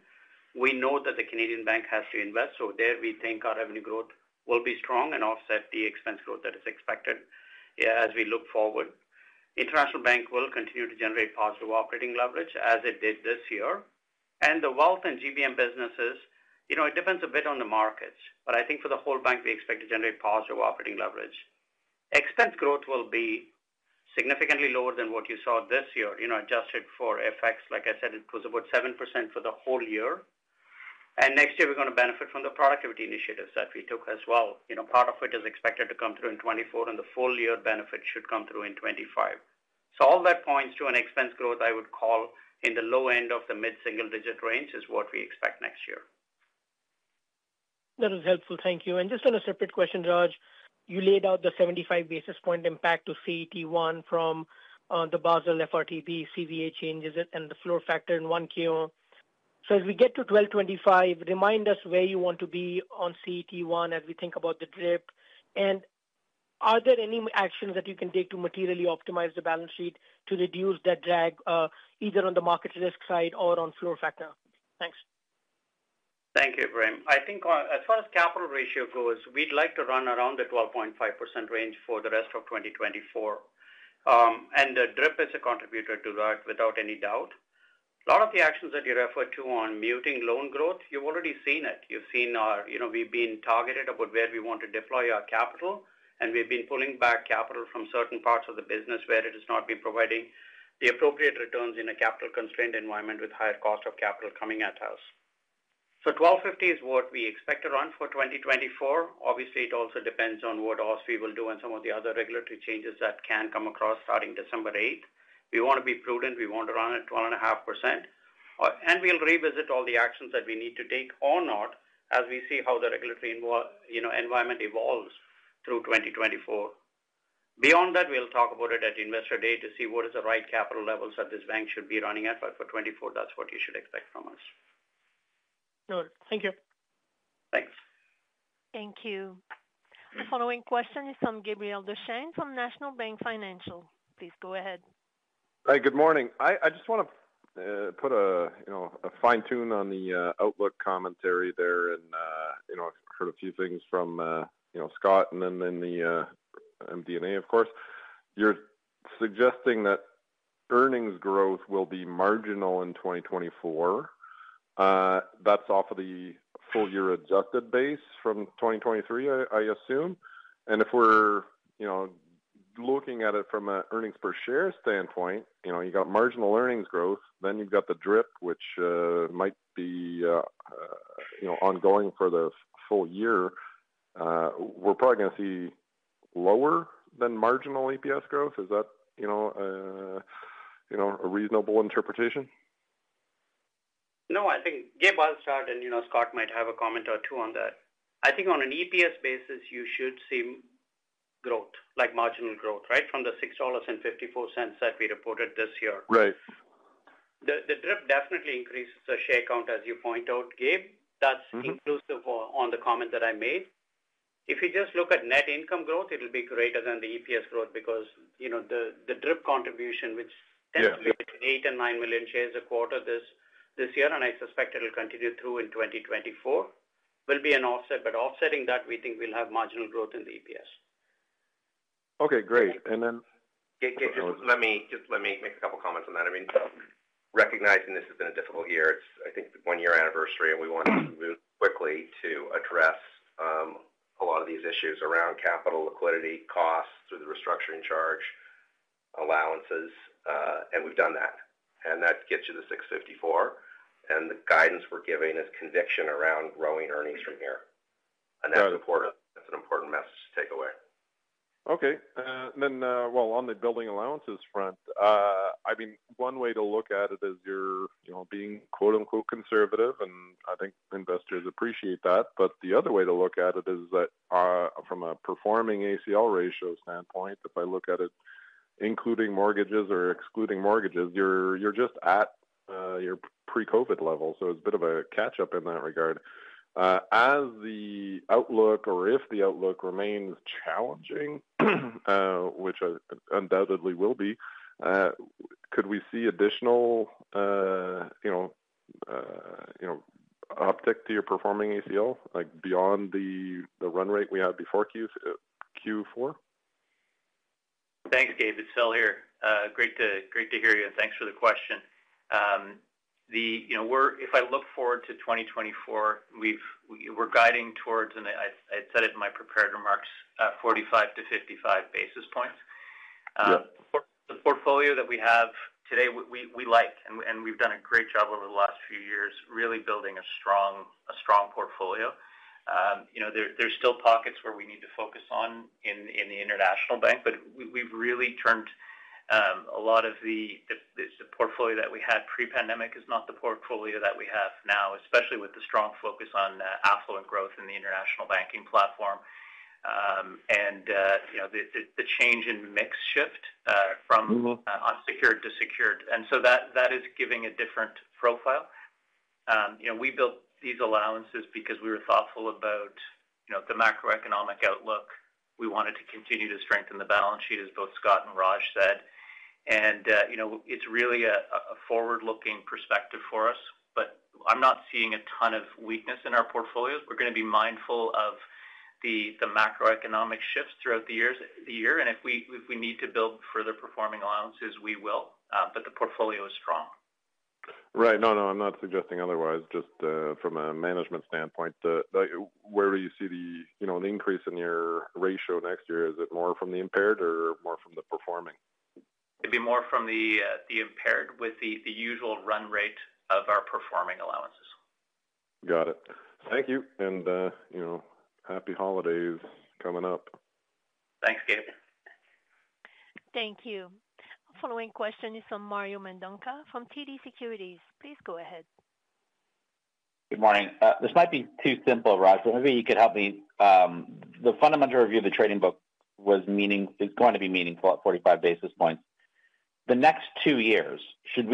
We know that the Canadian bank has to invest, so there we think our revenue growth will be strong and offset the expense growth that is expected, yeah, as we look forward. International Bank will continue to generate positive operating leverage as it did this year. And the wealth and GBM businesses, you know, it depends a bit on the markets, but I think for the whole bank, we expect to generate positive operating leverage. Expense growth will be significantly lower than what you saw this year, you know, adjusted for FX. Like I said, it was about 7% for the whole year, and next year we're gonna benefit from the productivity initiatives that we took as well. You know, part of it is expected to come through in 2024, and the full year benefit should come through in 2025. So all that points to an expense growth I would call in the low end of the mid-single-digit range, is what we expect next year. That is helpful. Thank you. Just on a separate question, Raj, you laid out the 75 basis points impact to CET1 from the Basel FRTB CVA changes and the floor factor in 1Q. So as we get to 2025, remind us where you want to be on CET1 as we think about the DRIP. Are there any actions that you can take to materially optimize the balance sheet to reduce that drag, either on the market risk side or on floor factor? Thanks. Thank you, Prem. I think as far as capital ratio goes, we'd like to run around the 12.5% range for the rest of 2024. And the DRIP is a contributor to that, without any doubt. A lot of the actions that you referred to on muting loan growth, you've already seen it. You've seen our, you know, we've been targeted about where we want to deploy our capital, and we've been pulling back capital from certain parts of the business where it has not been providing the appropriate returns in a capital-constrained environment with higher cost of capital coming at us. So 12.5% is what we expect to run for 2024. Obviously, it also depends on what OSFI will do and some of the other regulatory changes that can come across starting December 8. We want to be prudent. We want to run at 2.5%, and we'll revisit all the actions that we need to take or not, as we see how the regulatory environment evolves through 2024. Beyond that, we'll talk about it at Investor Day to see what is the right capital levels that this bank should be running at. But for 2024, that's what you should expect from us. Got it. Thank you. Thanks. Thank you. The following question is from Gabriel Dechaine, from National Bank Financial. Please go ahead. Hi, good morning. I just want to, you know, put a fine tune on the outlook commentary there and, you know, heard a few things from, you know, Scott and then the MD&A, of course. You're suggesting that earnings growth will be marginal in 2024. That's off of the full year adjusted base from 2023, I assume. And if we're, you know, looking at it from an earnings per share standpoint, you know, you've got marginal earnings growth, then you've got the DRIP, which might be, you know, ongoing for the full year. We're probably gonna see lower than marginal EPS growth. Is that, you know, a reasonable interpretation? No, I think, Gabe, I'll start, and, you know, Scott might have a comment or two on that. I think on an EPS basis, you should see growth, like marginal growth, right? From the 6.54 dollars that we reported this year. Right. The DRIP definitely increases the share count, as you point out, Gabe. Mm-hmm. That's inclusive on the comment that I made. If you just look at net income growth, it'll be greater than the EPS growth because, you know, the DRIP contribution, which- Yes. - tends to be between 8 and 9 million shares a quarter this year, and I suspect it will continue through in 2024, will be an offset. But offsetting that, we think we'll have marginal growth in the EPS. Okay, great. And then- Gabe, just let me make a couple comments on that. I mean, recognizing this has been a difficult year, it's, I think, the one-year anniversary, and we want to move quickly to address a lot of these issues around capital liquidity, costs through the restructuring charge, allowances, and we've done that. That gets you to 6.54, and the guidance we're giving is conviction around growing earnings from here. Got it. That's important. That's an important message to take away. Okay, then, well, on the building allowances front, I mean, one way to look at it is you're, you know, being, quote, unquote, "conservative," and I think investors appreciate that. But the other way to look at it is that, from a performing ACL ratio standpoint, if I look at it, including mortgages or excluding mortgages, you're just at, your pre-COVID level, so it's a bit of a catch-up in that regard. As the outlook or if the outlook remains challenging, which undoubtedly will be, could we see additional, you know, you know, uptick to your performing ACL, like, beyond the, the run rate we had before Q4? Thanks, Gabe. It's Sal here. Great to, great to hear you, and thanks for the question.... the, you know, we're, if I look forward to 2024, we've, we're guiding towards, and I, I said it in my prepared remarks, 45-55 basis points. Yeah. The portfolio that we have today, we like, and we've done a great job over the last few years, really building a strong portfolio. You know, there's still pockets where we need to focus on in the international bank, but we've really turned a lot of the portfolio that we had pre-pandemic is not the portfolio that we have now, especially with the strong focus on affluent growth in the international banking platform. You know, the change in mix shift from- Mm-hmm - unsecured to secured. And so that, that is giving a different profile. You know, we built these allowances because we were thoughtful about, you know, the macroeconomic outlook. We wanted to continue to strengthen the balance sheet, as both Scott and Raj said. And, you know, it's really a, a forward-looking perspective for us, but I'm not seeing a ton of weakness in our portfolios. We're gonna be mindful of the, the macroeconomic shifts throughout the years, the year, and if we, if we need to build further performing allowances, we will, but the portfolio is strong. Right. No, no, I'm not suggesting otherwise, just from a management standpoint, like where do you see the, you know, an increase in your ratio next year? Is it more from the impaired or more from the performing? It'd be more from the impaired, with the usual run rate of our performing allowances. Got it. Thank you. And, you know, happy holidays coming up. Thanks, Gabe. Thank you. Following question is from Mario Mendonca from TD Securities. Please go ahead. Good morning. This might be too simple, Raj, so maybe you could help me. The Fundamental Review of the Trading Book is going to be meaningful at 45 basis points. The next two years, is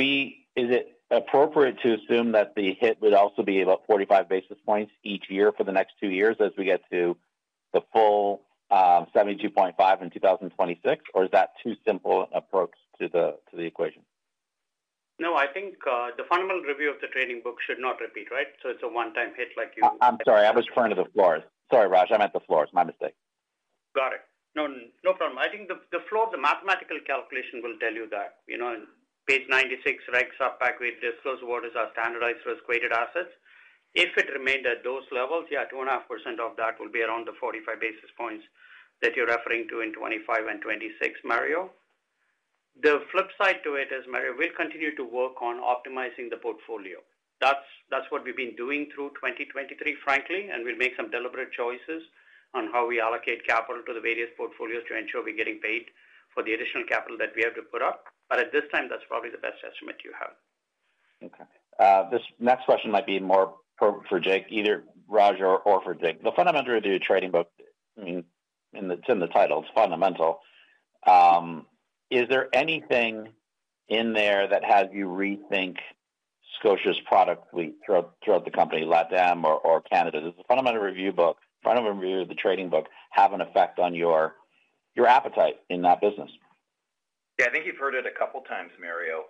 it appropriate to assume that the hit would also be about 45 basis points each year for the next two years as we get to the full 72.5 in 2026? Or is that too simple an approach to the equation? No, I think, the Fundamental Review of the Trading Book should not repeat, right? So it's a one-time hit, like you- I'm sorry, I was referring to the floors. Sorry, Raj, I meant the floors. My mistake. Got it. No, no problem. I think the floor, the mathematical calculation will tell you that, you know, in page 96, right, sub pack, we disclose what is our standardized risk-weighted assets. If it remained at those levels, yeah, 2.5% of that will be around the 45 basis points that you're referring to in 2025 and 2026, Mario. The flip side to it is, Mario, we'll continue to work on optimizing the portfolio. That's, that's what we've been doing through 2023, frankly, and we'll make some deliberate choices on how we allocate capital to the various portfolios to ensure we're getting paid for the additional capital that we have to put up. But at this time, that's probably the best estimate you have. Okay. This next question might be more for, for Jake, either Raj or, or for Jake. The fundamental review of the trading book, I mean, and it's in the title, it's fundamental. Is there anything in there that has you rethink Scotia's product suite throughout, throughout the company, LatAm or, or Canada? Does the fundamental review book, fundamental review of the trading book, have an effect on your, your appetite in that business? Yeah, I think you've heard it a couple of times, Mario.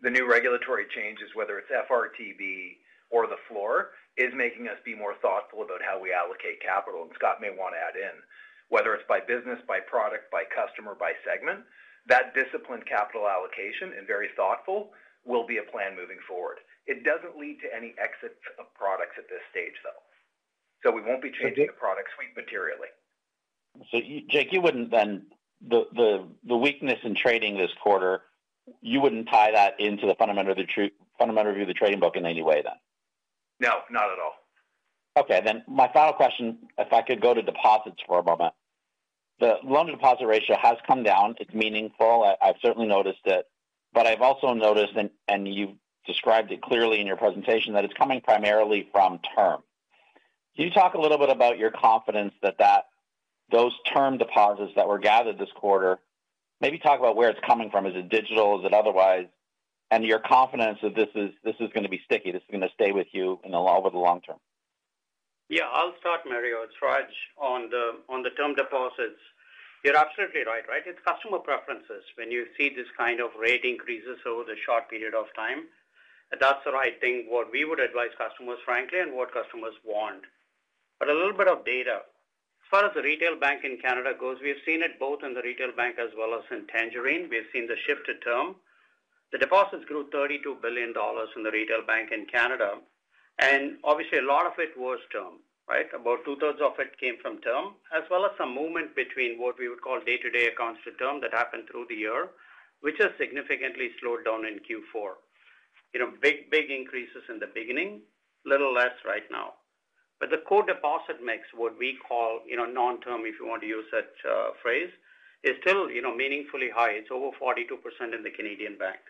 The new regulatory changes, whether it's FRTB or the floor, is making us be more thoughtful about how we allocate capital. And Scott may want to add in. Whether it's by business, by product, by customer, by segment, that disciplined capital allocation and very thoughtful, will be a plan moving forward. It doesn't lead to any exits of products at this stage, though. So we won't be changing the product suite materially. So Jake, you wouldn't then... The weakness in trading this quarter, you wouldn't tie that into the Fundamental Review of the Trading Book in any way, then? No, not at all. Okay, then my final question, if I could go to deposits for a moment. The loan deposit ratio has come down. It's meaningful. I, I've certainly noticed it, but I've also noticed, and, and you've described it clearly in your presentation, that it's coming primarily from term. Can you talk a little bit about your confidence that, that those term deposits that were gathered this quarter, maybe talk about where it's coming from. Is it digital? Is it otherwise? And your confidence that this is, this is gonna be sticky, this is gonna stay with you in the over the long term. Yeah, I'll start, Mario. It's Raj, on the, on the term deposits. You're absolutely right, right? It's customer preferences when you see this kind of rate increases over the short period of time. That's the right thing, what we would advise customers, frankly, and what customers want. But a little bit of data. As far as the retail bank in Canada goes, we've seen it both in the retail bank as well as in Tangerine. We've seen the shift to term. The deposits grew 32 billion dollars in the retail bank in Canada, and obviously a lot of it was term, right? About two-thirds of it came from term, as well as some movement between what we would call day-to-day accounts to term that happened through the year, which has significantly slowed down in Q4. You know, big, big increases in the beginning, little less right now. But the core deposit mix, what we call, you know, non-term, if you want to use such a phrase, is still, you know, meaningfully high. It's over 42% in the Canadian bank.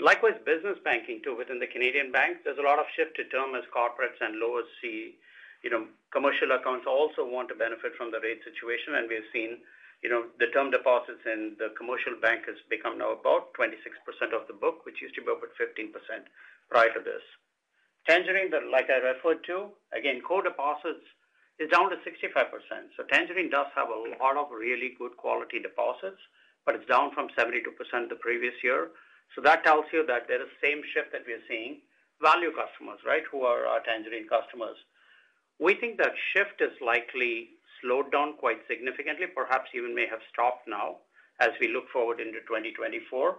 Likewise, business banking, too, within the Canadian bank, there's a lot of shift to term as corporates and lowers see. You know, commercial accounts also want to benefit from the rate situation, and we have seen, you know, the term deposits in the commercial bank has become now about 26% of the book, which used to be about 15% prior to this. Tangerine, but like I referred to, again, core deposits is down to 65%. So Tangerine does have a lot of really good quality deposits, but it's down from 72% the previous year. So that tells you that there is same shift that we are seeing. Value customers, right, who are our Tangerine customers? We think that shift is likely slowed down quite significantly, perhaps even may have stopped now as we look forward into 2024.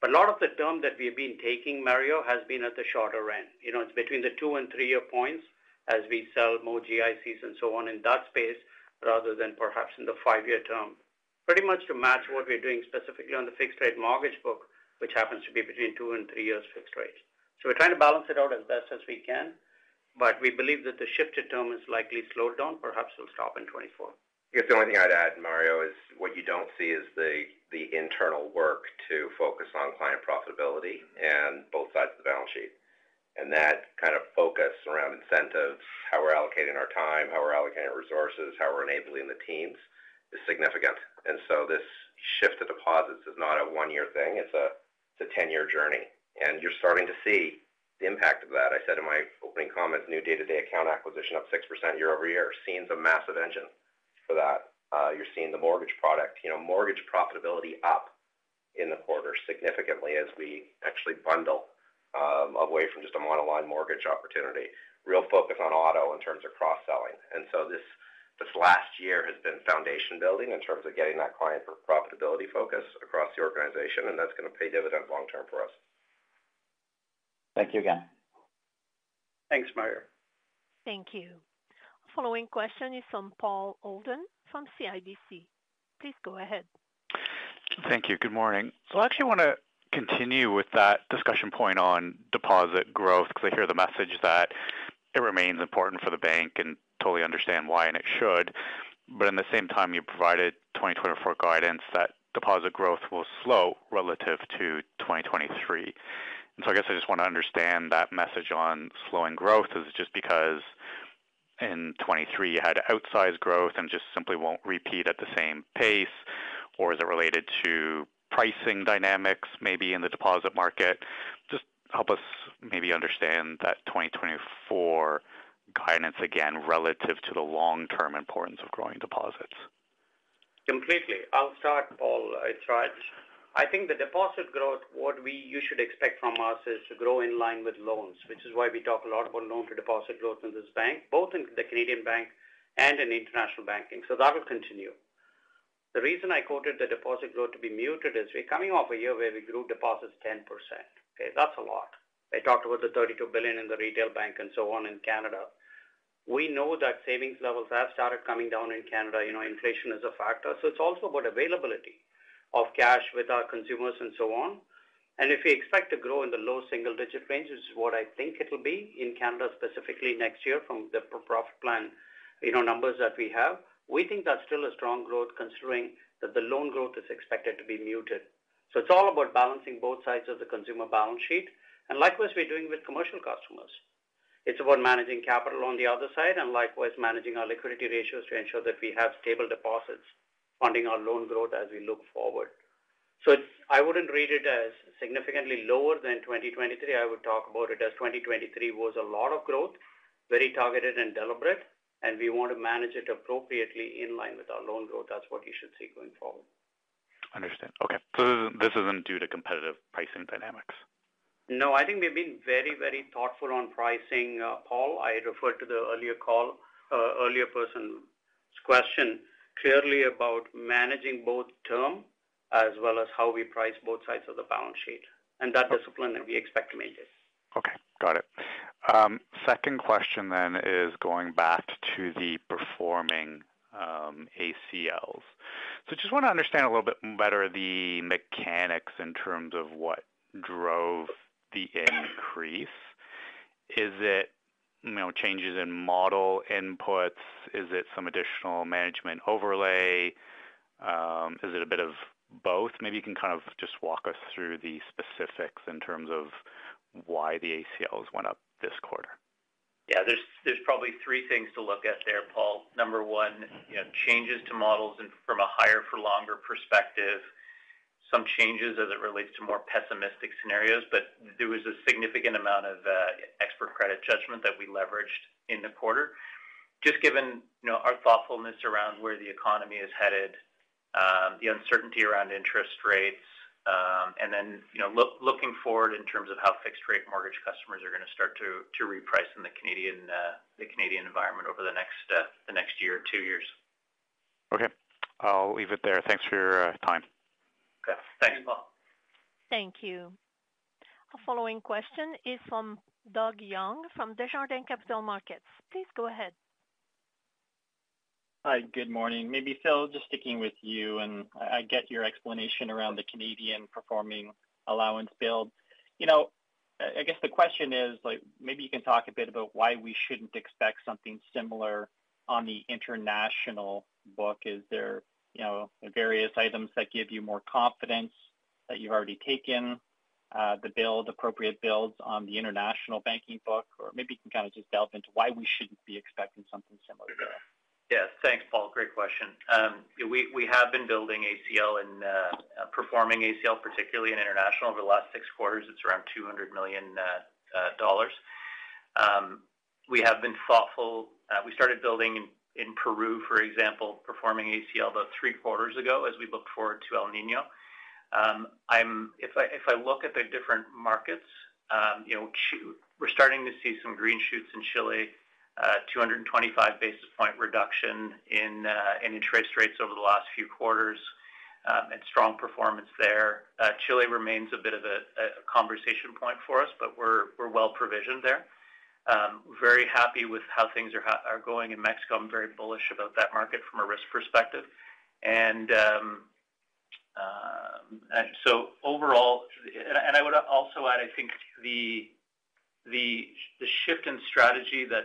But a lot of the term that we've been taking, Mario, has been at the shorter end. You know, it's between the two and three year points as we sell more GICs and so on in that space, rather than perhaps in the five year term. Pretty much to match what we're doing specifically on the fixed-rate mortgage book, which happens to be between two and three years fixed rates. So we're trying to balance it out as best as we can, but we believe that the shift to term is likely slowed down, perhaps will stop in 2024. I guess the only thing I'd add, Mario, is what you don't see is the internal work to focus on client profitability and both sides of the balance sheet. And that kind of focus around incentives, how we're allocating our time, how we're allocating resources, how we're enabling the teams, is significant. And so this shift to deposits is not a one-year thing. It's a 10-year journey, and you're starting to see the impact of that. I said in my opening comments, new day-to-day account acquisition up 6% year-over-year, seeing some massive engine for that. You're seeing the mortgage product, you know, mortgage profitability up in the quarter significantly as we actually bundle away from just a monoline mortgage opportunity. Real focus on auto in terms of cross-selling. So this last year has been foundation building in terms of getting that client for profitability focus across the organization, and that's going to pay dividends long term for us. Thank you again. Thanks, Mario. Thank you. Following question is from Paul Holden from CIBC. Please go ahead. Thank you. Good morning. I actually want to continue with that discussion point on deposit growth, because I hear the message that it remains important for the bank and totally understand why, and it should. But at the same time, you provided 2024 guidance that deposit growth will slow relative to 2023. And so I guess I just want to understand that message on slowing growth. Is it just because in 2023 you had outsized growth and just simply won't repeat at the same pace? Or is it related to pricing dynamics, maybe in the deposit market? Just help us maybe understand that 2024 guidance again, relative to the long-term importance of growing deposits. Completely. I'll start, Paul. I tried. I think the deposit growth, what we—you should expect from us, is to grow in line with loans, which is why we talk a lot about loan to deposit growth in this bank, both in the Canadian bank and in international banking. So that will continue. The reason I quoted the deposit growth to be muted is we're coming off a year where we grew deposits 10%. Okay, that's a lot. I talked about the 32 billion in the retail bank and so on in Canada. We know that savings levels have started coming down in Canada. You know, inflation is a factor, so it's also about availability of cash with our consumers and so on. And if we expect to grow in the low single-digit range, which is what I think it'll be in Canada, specifically next year from the pro-profit plan, you know, numbers that we have, we think that's still a strong growth, considering that the loan growth is expected to be muted. So it's all about balancing both sides of the consumer balance sheet, and likewise, we're doing with commercial customers. It's about managing capital on the other side and likewise managing our liquidity ratios to ensure that we have stable deposits, funding our loan growth as we look forward. So it's--I wouldn't read it as significantly lower than 2023. I would talk about it as 2023 was a lot of growth, very targeted and deliberate, and we want to manage it appropriately in line with our loan growth. That's what you should see going forward. Understand. Okay. So this isn't, this isn't due to competitive pricing dynamics? No, I think we've been very, very thoughtful on pricing, Paul. I referred to the earlier call, earlier person's question clearly about managing both term as well as how we price both sides of the balance sheet, and that discipline that we expect to maintain. Okay, got it. Second question then is going back to the performing ACLs. So just want to understand a little bit better the mechanics in terms of what drove the increase. Is it, you know, changes in model inputs? Is it some additional management overlay? Is it a bit of both? Maybe you can kind of just walk us through the specifics in terms of why the ACLs went up this quarter. Yeah, there's, there's probably three things to look at there, Paul. Number one, you know, changes to models and from a higher for longer perspective, some changes as it relates to more pessimistic scenarios, but there was a significant amount of expert credit judgment that we leveraged in the quarter. Just given, you know, our thoughtfulness around where the economy is headed, the uncertainty around interest rates, and then, you know, looking forward in terms of how fixed rate mortgage customers are going to start to reprice in the Canadian, the Canadian environment over the next, the next year or two years. Okay. I'll leave it there. Thanks for your time. Okay. Thanks, Paul. Thank you. Our following question is from Doug Young, from Desjardins Capital Markets. Please go ahead. Hi, good morning. Maybe, Phil, just sticking with you, and I get your explanation around the Canadian performing allowance build. You know, I guess the question is, like, maybe you can talk a bit about why we shouldn't expect something similar on the international book. Is there, you know, various items that give you more confidence that you've already taken, the build, appropriate builds on the international banking book? Or maybe you can kind of just delve into why we shouldn't be expecting something similar there. Yes, thanks, Doug. Great question. We have been building ACL and performing ACL, particularly in international, over the last six quarters. It's around $200 million dollars. We have been thoughtful. We started building in Peru, for example, performing ACL about three quarters ago as we look forward to El Niño. If I look at the different markets, you know, too, we're starting to see some green shoots in Chile, 225 basis point reduction in interest rates over the last few quarters, and strong performance there. Chile remains a bit of a conversation point for us, but we're well provisioned there. Very happy with how things are going in Mexico. I'm very bullish about that market from a risk perspective. And so overall. And I would also add, I think the shift in strategy that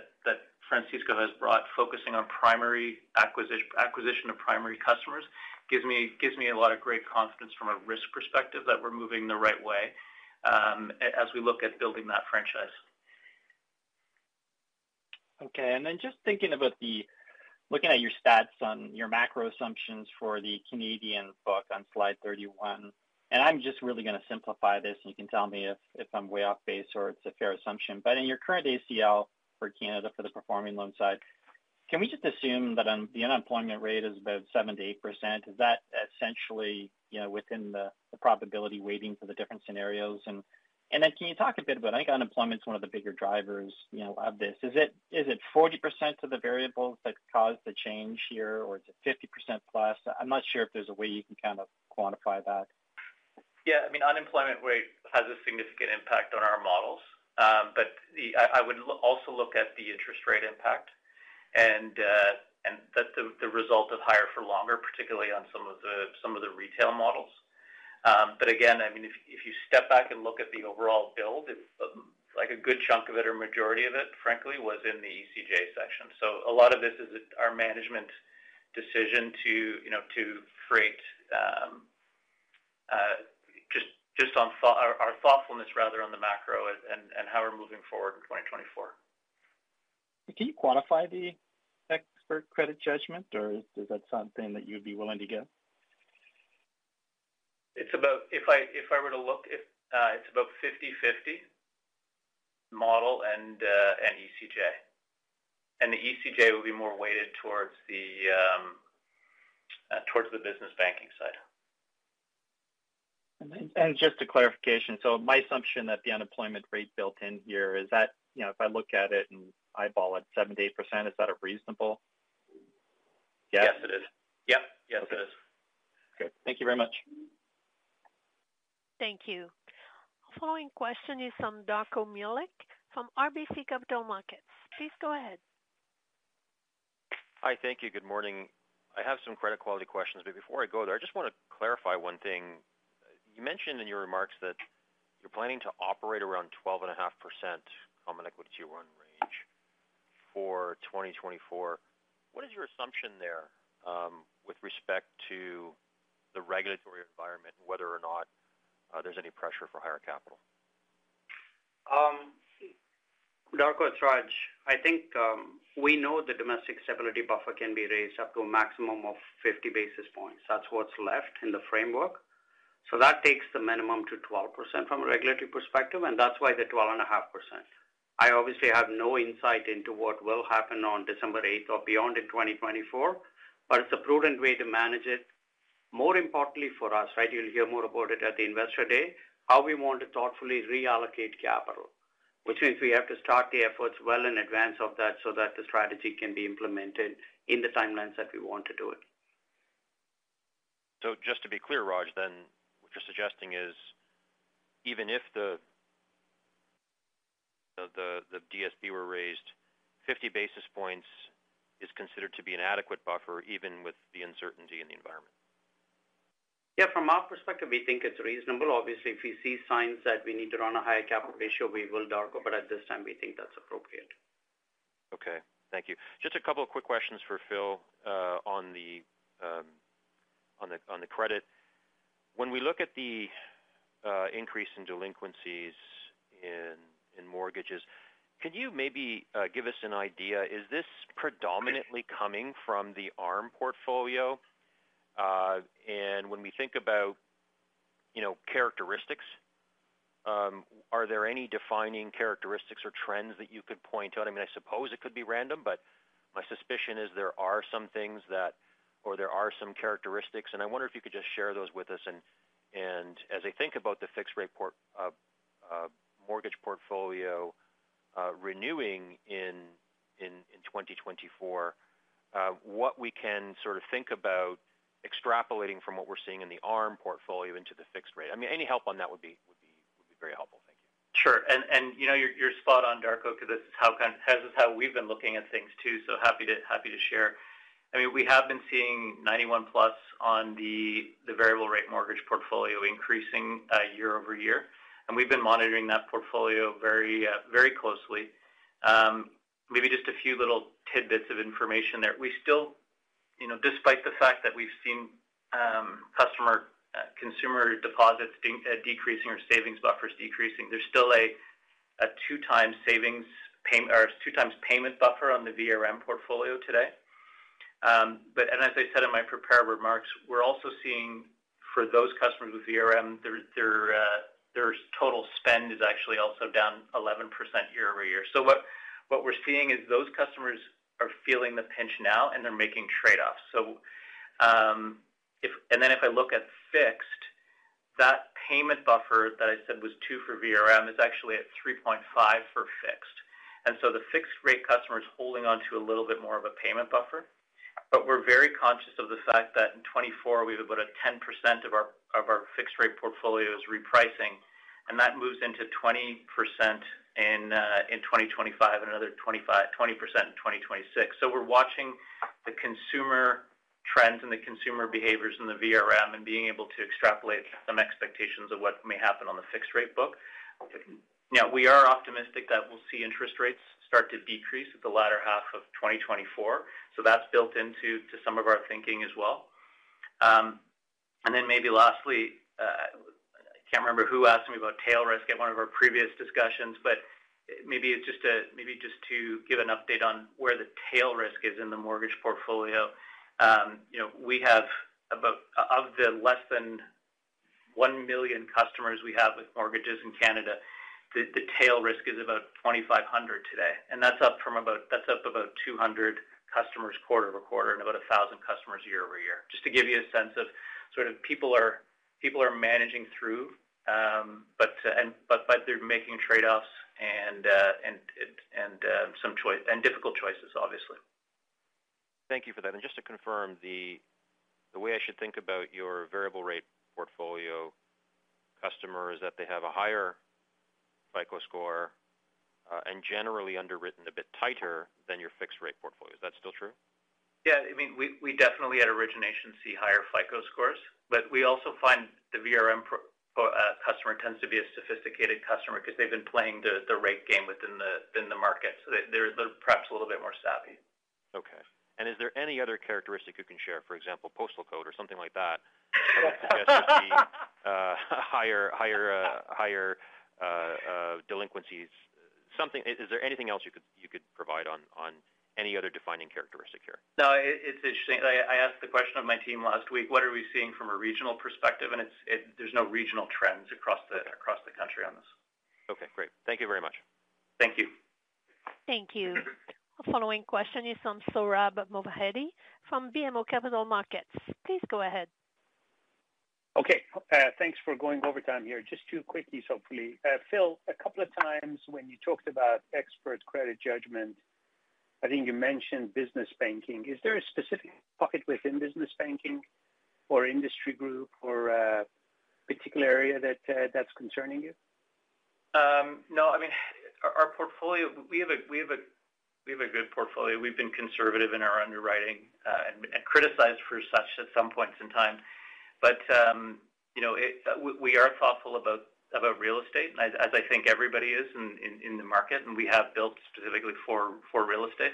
Francisco has brought, focusing on primary acquisition of primary customers, gives me a lot of great confidence from a risk perspective that we're moving the right way, as we look at building that franchise. Okay. And then just thinking about the... Looking at your stats on your macro assumptions for the Canadian book on slide 31, and I'm just really going to simplify this, and you can tell me if, if I'm way off base or it's a fair assumption. But in your current ACL for Canada, for the performing loan side, can we just assume that on the unemployment rate is about 7%-8%? Is that essentially, you know, within the, the probability weighting for the different scenarios? And, and then can you talk a bit about, I think, unemployment's one of the bigger drivers, you know, of this. Is it, is it 40% of the variables that caused the change here, or is it 50%+? I'm not sure if there's a way you can kind of quantify that. Yeah, I mean, unemployment rate has a significant impact on our models. But I would also look at the interest rate impact and that the result is higher for longer, particularly on some of the retail models. But again, I mean, if you step back and look at the overall build, it, like a good chunk of it or majority of it, frankly, was in the ECJ section. So a lot of this is our management decision to, you know, to create our thoughtfulness rather, on the macro and how we're moving forward in 2024. Can you quantify the Expert Credit Judgment, or is that something that you'd be willing to give? It's about... If I were to look, it's about 50/50 model and ECJ. And the ECJ will be more weighted towards the business banking side. And then, just a clarification. So my assumption that the unemployment rate built in here is that, you know, if I look at it and eyeball it, 7%-8%, is that reasonable? Yes, it is. Yep. Yes, it is. Okay. Thank you very much. Thank you. Following question is from Darko Mihelic, from RBC Capital Markets. Please go ahead. Hi. Thank you. Good morning. I have some credit quality questions, but before I go there, I just want to clarify one thing. You mentioned in your remarks that you're planning to operate around 12.5% Common Equity Tier 1 range for 2024. What is your assumption there, with respect to the regulatory environment, whether or not, there's any pressure for higher capital? Darko, it's Raj. I think, we know the domestic stability buffer can be raised up to a maximum of 50 basis points. That's what's left in the framework. So that takes the minimum to 12% from a regulatory perspective, and that's why the 12.5%. I obviously have no insight into what will happen on December 8th or beyond in 2024, but it's a prudent way to manage it. More importantly for us, right, you'll hear more about it at the Investor Day, how we want to thoughtfully reallocate capital, which means we have to start the efforts well in advance of that, so that the strategy can be implemented in the timelines that we want to do it. Just to be clear, Raj, then what you're suggesting is, even if the DSB were raised, 50 basis points is considered to be an adequate buffer, even with the uncertainty in the environment? Yeah, from our perspective, we think it's reasonable. Obviously, if we see signs that we need to run a higher capital ratio, we will, Darko, but at this time, we think that's appropriate. Okay, thank you. Just a couple of quick questions for Phil on the credit. When we look at the increase in delinquencies in mortgages, could you maybe give us an idea, is this predominantly coming from the ARM portfolio? And when we think about, you know, characteristics, are there any defining characteristics or trends that you could point out? I mean, I suppose it could be random, but my suspicion is there are some things that or there are some characteristics, and I wonder if you could just share those with us. And as I think about the fixed rate mortgage portfolio renewing in 2024, what we can sort of think about extrapolating from what we're seeing in the ARM portfolio into the fixed rate. I mean, any help on that would be very helpful. Thank you. Sure. And you know, you're spot on, Darko, because this is how we've been looking at things too, so happy to share. I mean, we have been seeing 91+ on the variable rate mortgage portfolio increasing year over year, and we've been monitoring that portfolio very closely. Maybe just a few little tidbits of information there. We still, you know, despite the fact that we've seen customer consumer deposits being decreasing or savings buffers decreasing, there's still a 2x payment buffer on the VRM portfolio today. As I said in my prepared remarks, we're also seeing for those customers with VRM their total spend is actually also down 11% year-over-year. So what we're seeing is those customers are feeling the pinch now, and they're making trade-offs. So, if I look at fixed, that payment buffer that I said was two for VRM is actually at 3.5 for fixed. And so the fixed-rate customer is holding on to a little bit more of a payment buffer. But we're very conscious of the fact that in 2024, we have about 10% of our fixed-rate portfolio is repricing, and that moves into 20% in 2025 and another 20% in 2026. So we're watching the consumer trends and the consumer behaviors in the VRM and being able to extrapolate some expectations of what may happen on the fixed rate book. Now, we are optimistic that we'll see interest rates start to decrease at the latter half of 2024, so that's built into some of our thinking as well. And then maybe lastly, I can't remember who asked me about tail risk at one of our previous discussions, but maybe just to give an update on where the tail risk is in the mortgage portfolio. You know, we have about, of the less than one million customers we have with mortgages in Canada, the tail risk is about 2,500 today, and that's up from about that's up about 200 customers quarter-over-quarter and about 1,000 customers year-over-year. Just to give you a sense of sort of people are, people are managing through, but they're making trade-offs and some choice and difficult choices, obviously. Thank you for that. And just to confirm, the way I should think about your variable rate portfolio customer, is that they have a higher FICO score, and generally underwritten a bit tighter than your fixed-rate portfolio. Is that still true? Yeah. I mean, we definitely at origination see higher FICO scores, but we also find the VRM customer tends to be a sophisticated customer because they've been playing the rate game within the market, so they're perhaps a little bit more savvy. Okay. And is there any other characteristic you can share, for example, postal code or something like that, higher delinquencies? Something... Is there anything else you could provide on any other defining characteristic here? No, it's interesting. I asked the question of my team last week, what are we seeing from a regional perspective? And there's no regional trends across the country on this. Okay, great. Thank you very much. Thank you. Thank you. Our following question is from Sohrab Movahedi from BMO Capital Markets. Please go ahead. Okay, thanks for going over time here. Just two quickies, hopefully. Phil, a couple of times when you talked about expert credit judgment, I think you mentioned business banking. Is there a specific pocket within business banking or industry group or particular area that's concerning you? No, I mean, our portfolio. We have a good portfolio. We've been conservative in our underwriting, and criticized for such at some points in time. But, you know, we are thoughtful about real estate, as I think everybody is in the market, and we have built specifically for real estate.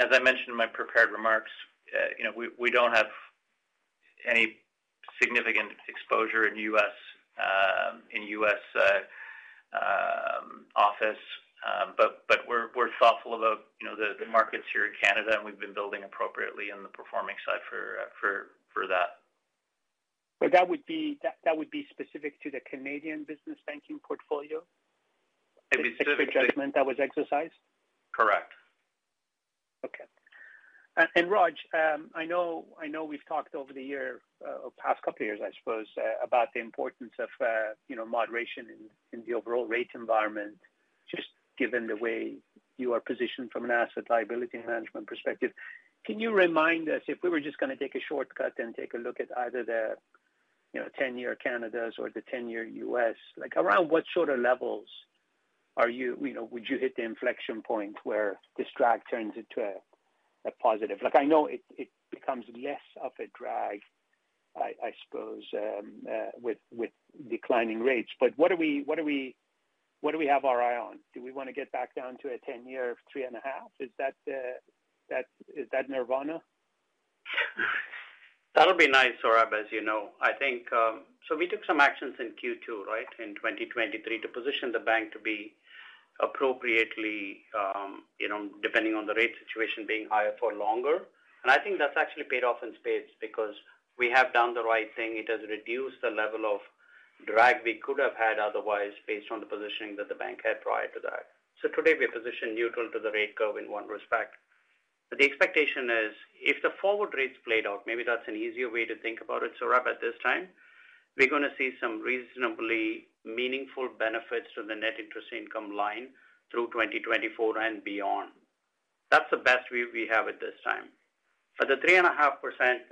As I mentioned in my prepared remarks, you know, we don't have any significant exposure in U.S. office. But we're thoughtful about, you know, the markets here in Canada, and we've been building appropriately on the performing side for that. But that would be specific to the Canadian business banking portfolio? Maybe- Judgment that was exercised? Correct. Okay. And, and Raj, I know, I know we've talked over the year, or past couple of years, I suppose, about the importance of, you know, moderation in, in the overall rate environment, just given the way you are positioned from an asset liability management perspective. Can you remind us if we were just going to take a shortcut and take a look at either the, you know, 10-year Canadas or the 10-year US, like around what sort of levels are you, you know, would you hit the inflection point where this drag turns into a, a positive? Like, I know it, it becomes less of a drag, I, I suppose, with, with declining rates. But what are we, what are we, what do we have our eye on? Do we want to get back down to a 10-year of 3.5? Is that nirvana? That'll be nice, Sohrab, as you know. I think, so we took some actions in Q2, right, in 2023, to position the bank to be appropriately, you know, depending on the rate situation, being higher for longer. And I think that's actually paid off in spades because we have done the right thing. It has reduced the level of drag we could have had otherwise, based on the positioning that the bank had prior to that. So today, we are positioned neutral to the rate curve in one respect, but the expectation is if the forward rates played out, maybe that's an easier way to think about it. So Sohrab, at this time, we're going to see some reasonably meaningful benefits to the net interest income line through 2024 and beyond. That's the best view we have at this time. But the 3.5%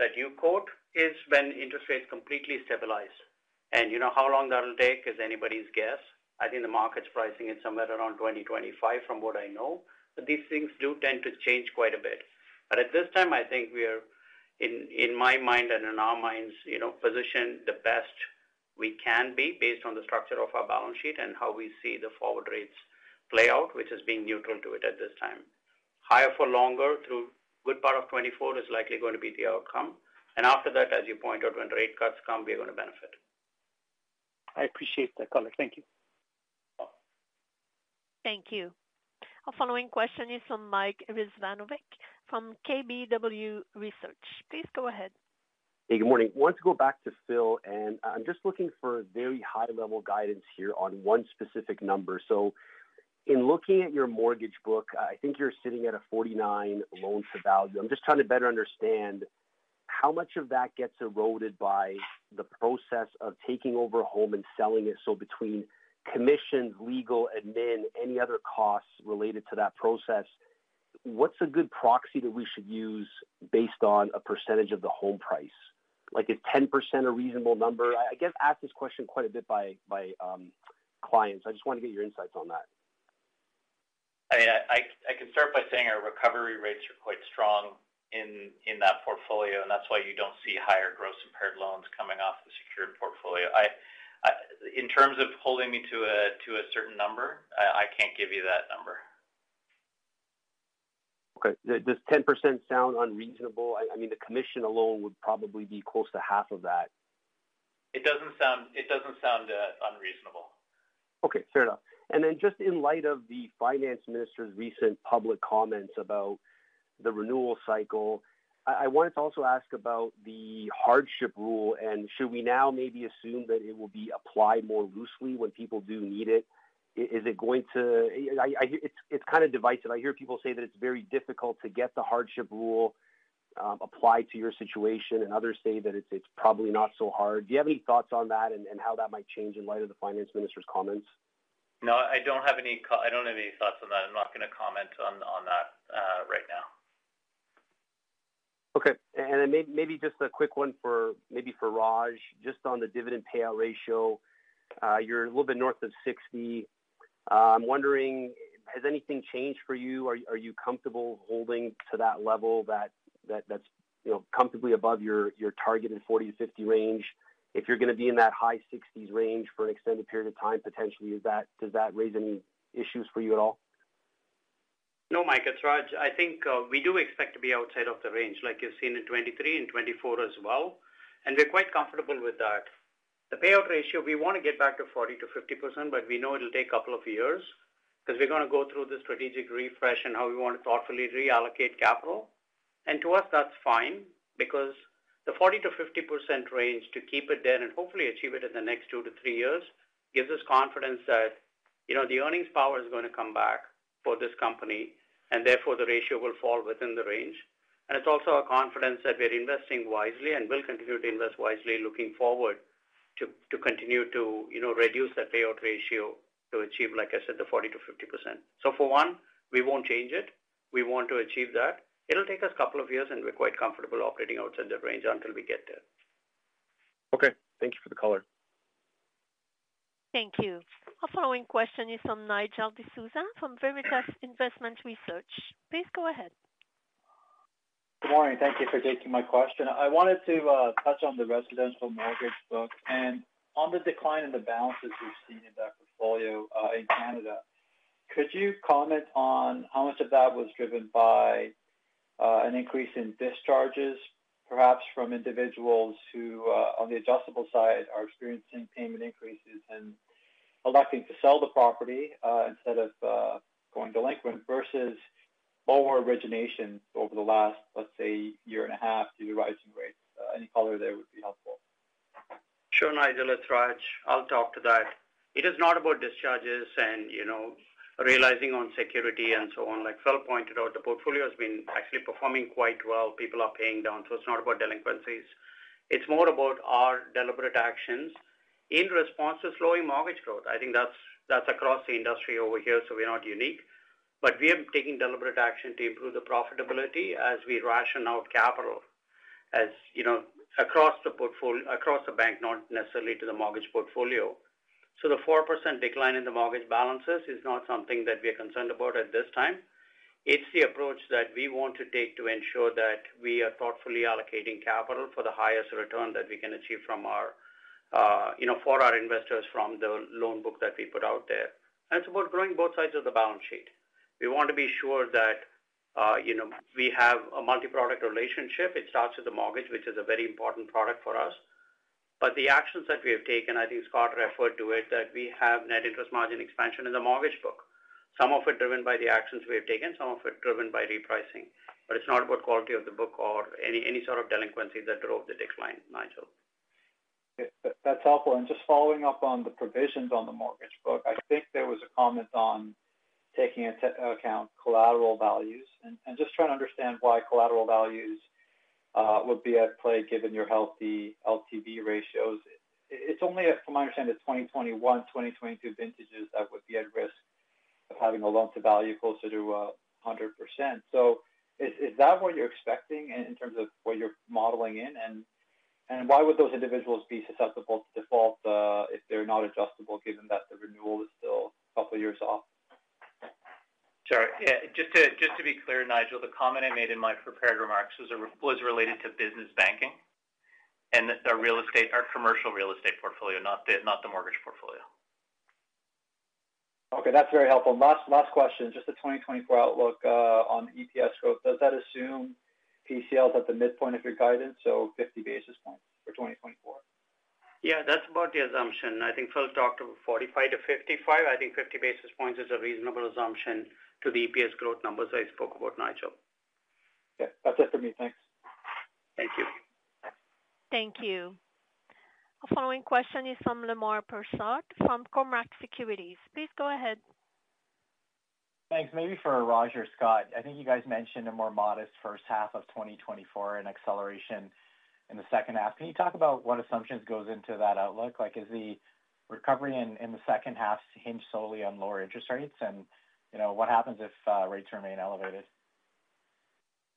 that you quote is when interest rates completely stabilize. And you know, how long that'll take is anybody's guess. I think the market's pricing is somewhere around 2025, from what I know, but these things do tend to change quite a bit. But at this time, I think we are, in my mind and in our minds, you know, positioned the best we can be based on the structure of our balance sheet and how we see the forward rates play out, which is being neutral to it at this time. Higher for longer, through good part of 2024, is likely going to be the outcome. And after that, as you point out, when rate cuts come, we are going to benefit. I appreciate that, colleague. Thank you. Thank you. Our following question is from Mike Rizvanovic from KBW Research. Please go ahead. Hey, good morning. I wanted to go back to Phil, and I'm just looking for very high-level guidance here on one specific number. In looking at your mortgage book, I think you're sitting at a 49 loan-to-value. I'm just trying to better understand how much of that gets eroded by the process of taking over a home and selling it. Between commissions, legal, admin, any other costs related to that process, what's a good proxy that we should use based on a percentage of the home price? Like, is 10% a reasonable number? I get asked this question quite a bit by, by clients. I just want to get your insights on that. I can start by saying our recovery rates are quite strong in that portfolio, and that's why you don't see higher gross impaired loans coming off the secured portfolio. In terms of holding me to a certain number, I can't give you that number. Okay. Does 10% sound unreasonable? I mean, the commission alone would probably be close to half of that. It doesn't sound, it doesn't sound, unreasonable. Okay, fair enough. And then just in light of the Finance Minister's recent public comments about the renewal cycle, I, I wanted to also ask about the hardship rule, and should we now maybe assume that it will be applied more loosely when people do need it? Is it going to- I, I hear it's, it's kind of divisive. I hear people say that it's very difficult to get the hardship rule applied to your situation, and others say that it's, it's probably not so hard. Do you have any thoughts on that and, and how that might change in light of the Finance Minister's comments? No, I don't have any thoughts on that. I'm not going to comment on that right now. Okay. Then maybe just a quick one for, maybe for Raj. Just on the dividend payout ratio, you're a little bit north of 60%. I'm wondering, has anything changed for you? Are you comfortable holding to that level that's, you know, comfortably above your targeted 40%-50% range? If you're going to be in that high 60s range for an extended period of time, potentially, is that, does that raise any issues for you at all? No, Mike, it's Raj. I think, we do expect to be outside of the range, like you've seen in 2023 and 2024 as well, and we're quite comfortable with that. The payout ratio, we want to get back to 40%-50%, but we know it'll take a couple of years because we're going to go through the strategic refresh and how we want to thoughtfully reallocate capital. And to us, that's fine, because the 40%-50% range, to keep it there and hopefully achieve it in the next two to three years, gives us confidence that, you know, the earnings power is going to come back for this company, and therefore, the ratio will fall within the range. It's also our confidence that we're investing wisely and will continue to invest wisely looking forward to continue to, you know, reduce that payout ratio to achieve, like I said, the 40%-50%. So for one, we won't change it. We want to achieve that. It'll take us a couple of years, and we're quite comfortable operating outside the range until we get there. Okay. Thank you for the color. Thank you. Our following question is from Nigel D'Souza from Veritas Investment Research. Please go ahead. Good morning. Thank you for taking my question. I wanted to touch on the residential mortgage book and on the decline in the balances we've seen in that portfolio in Canada. Could you comment on how much of that was driven by an increase in discharges, perhaps from individuals who on the adjustable side, are experiencing payment increases and electing to sell the property instead of going delinquent, versus lower origination over the last, let's say, year and a half due to rising rates? Any color there would be helpful. Sure, Nigel, it's Raj. I'll talk to that. It is not about discharges and, you know, realizing on security and so on. Like Phil pointed out, the portfolio has been actually performing quite well. People are paying down, so it's not about delinquencies. It's more about our deliberate actions in response to slowing mortgage growth. I think that's, that's across the industry over here, so we're not unique. But we are taking deliberate action to improve the profitability as we ration out capital, as, you know, across the bank, not necessarily to the mortgage portfolio. So the 4% decline in the mortgage balances is not something that we are concerned about at this time. It's the approach that we want to take to ensure that we are thoughtfully allocating capital for the highest return that we can achieve from our, you know, for our investors from the loan book that we put out there. And it's about growing both sides of the balance sheet. We want to be sure that, you know, we have a multi-product relationship. It starts with the mortgage, which is a very important product for us. But the actions that we have taken, I think Scott referred to it, that we have net interest margin expansion in the mortgage book. Some of it driven by the actions we have taken, some of it driven by repricing, but it's not about quality of the book or any, any sort of delinquency that drove the decline, Nigel. That's helpful. Just following up on the provisions on the mortgage book, I think there was a comment on taking into account collateral values. Just trying to understand why collateral values would be at play given your healthy LTV ratios. It's only, from my understanding, the 2021, 2022 vintages that would be at risk of having a loan-to-value closer to 100%. So is that what you're expecting in terms of what you're modeling in? Why would those individuals be susceptible to default if they're not adjustable, given that the renewal is still a couple of years off? Sure. Yeah, just to, just to be clear, Nigel, the comment I made in my prepared remarks was related to business banking and our real estate, our commercial real estate portfolio, not the, not the mortgage portfolio. Okay, that's very helpful. Last, last question, just the 2024 outlook on EPS growth. Does that assume PCL is at the midpoint of your guidance, so 50 basis points for 2024?... Yeah, that's about the assumption. I think Phil talked about 45-55. I think 50 basis points is a reasonable assumption to the EPS growth numbers I spoke about, Nigel. Yeah, that's it for me. Thanks. Thank you. Thank you. Our following question is from Lemar Persaud from Cormark Securities. Please go ahead. Thanks. Maybe for Raj or Scott, I think you guys mentioned a more modest first half of 2024 and acceleration in the second half. Can you talk about what assumptions goes into that outlook? Like, is the recovery in, in the second half hinge solely on lower interest rates? And, you know, what happens if rates remain elevated?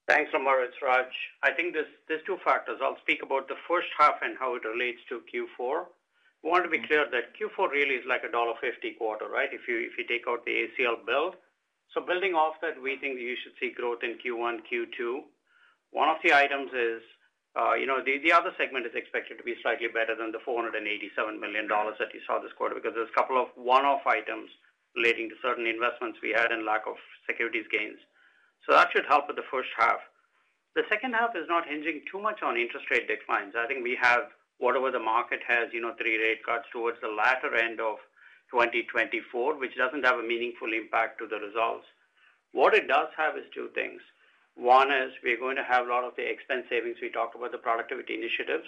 Thanks, Lemar. It's Raj. I think there's, there's two factors. I'll speak about the first half and how it relates to Q4. We want to be clear that Q4 really is like a dollar 1.50 quarter, right? If you, if you take out the ACL build. So building off that, we think you should see growth in Q1, Q2. One of the items is, you know, the other segment is expected to be slightly better than the $487 million that you saw this quarter, because there's a couple of one-off items relating to certain investments we had and lack of securities gains. So that should help with the first half. The second half is not hinging too much on interest rate declines. I think we have whatever the market has, you know, three rate cuts towards the latter end of 2024, which doesn't have a meaningful impact to the results. What it does have is two things. One is we're going to have a lot of the expense savings. We talked about the productivity initiatives,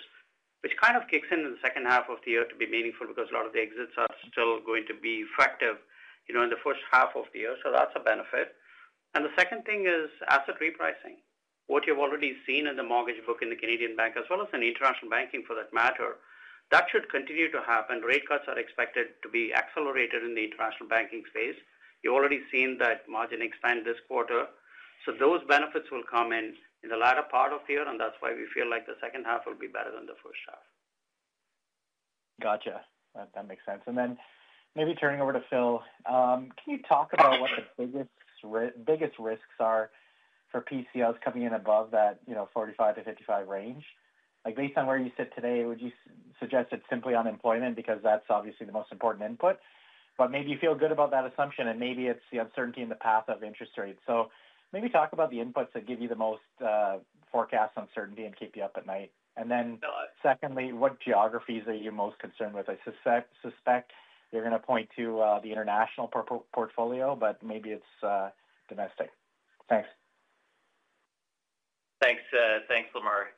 which kind of kicks in in the second half of the year to be meaningful because a lot of the exits are still going to be effective, you know, in the first half of the year. So that's a benefit. And the second thing is asset repricing. What you've already seen in the mortgage book in the Canadian bank, as well as in international banking, for that matter, that should continue to happen. Rate cuts are expected to be accelerated in the international banking space. You've already seen that margin expand this quarter. So those benefits will come in, in the latter part of the year, and that's why we feel like the second half will be better than the first half. Gotcha. That makes sense. And then maybe turning over to Phil, can you talk about what the biggest risks are for PCLs coming in above that 45-55 range? Like, based on where you sit today, would you suggest it's simply unemployment because that's obviously the most important input, but maybe you feel good about that assumption, and maybe it's the uncertainty in the path of interest rates. So maybe talk about the inputs that give you the most forecast uncertainty and keep you up at night. And then secondly, what geographies are you most concerned with? I suspect you're going to point to the international portfolio, but maybe it's domestic. Thanks. Thanks, thanks, Lemar.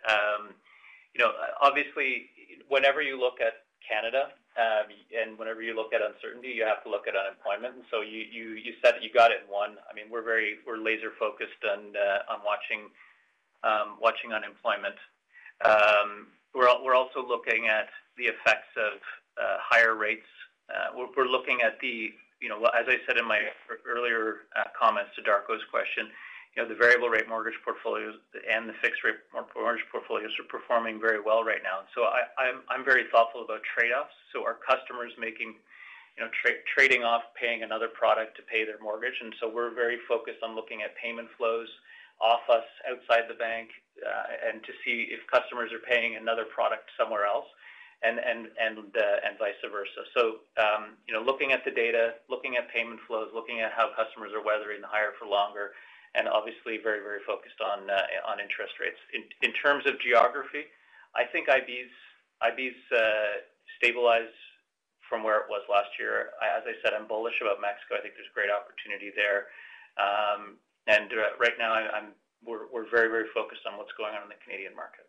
You know, obviously, whenever you look at Canada, and whenever you look at uncertainty, you have to look at unemployment. So you said you got it in one. I mean, we're very-- we're laser-focused on watching unemployment. We're also looking at the effects of higher rates. We're looking at the... You know, as I said in my earlier comments to Darko's question, you know, the variable rate mortgage portfolios and the fixed rate mortgage portfolios are performing very well right now. So I'm very thoughtful about trade-offs. So our customers making, you know, trading off, paying another product to pay their mortgage. So we're very focused on looking at payment flows off us outside the bank, and to see if customers are paying another product somewhere else, and vice versa. So, you know, looking at the data, looking at payment flows, looking at how customers are weathering the higher for longer, and obviously very, very focused on interest rates. In terms of geography, I think IB's stabilize from where it was last year. As I said, I'm bullish about Mexico. I think there's great opportunity there. Right now, we're very, very focused on what's going on in the Canadian market.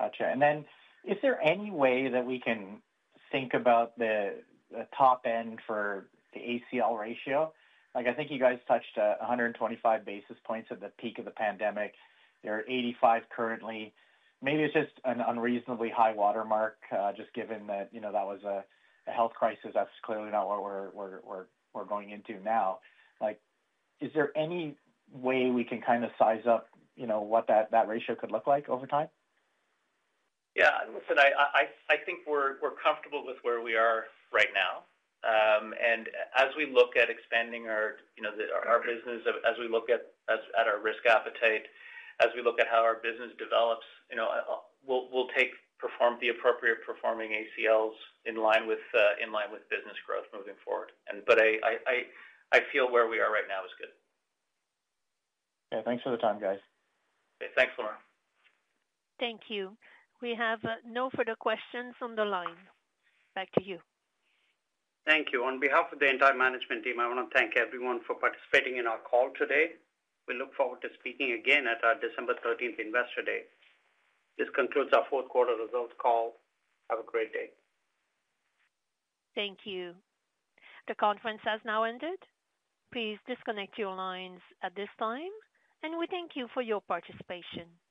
Gotcha. And then is there any way that we can think about the top end for the ACL ratio? Like, I think you guys touched 125 basis points at the peak of the pandemic. There are 85 currently. Maybe it's just an unreasonably high watermark, just given that, you know, that was a health crisis. That's clearly not what we're going into now. Like, is there any way we can kind of size up, you know, what that ratio could look like over time? Yeah, listen, I think we're comfortable with where we are right now. And as we look at expanding our, you know, our business, as we look at our risk appetite, as we look at how our business develops, you know, we'll take the appropriate performing ACLs in line with business growth moving forward. And but I feel where we are right now is good. Yeah. Thanks for the time, guys. Thanks, Lamar. Thank you. We have no further questions on the line. Back to you. Thank you. On behalf of the entire management team, I want to thank everyone for participating in our call today. We look forward to speaking again at our December thirteenth Investor Day. This concludes our fourth quarter results call. Have a great day. Thank you. The conference has now ended. Please disconnect your lines at this time, and we thank you for your participation.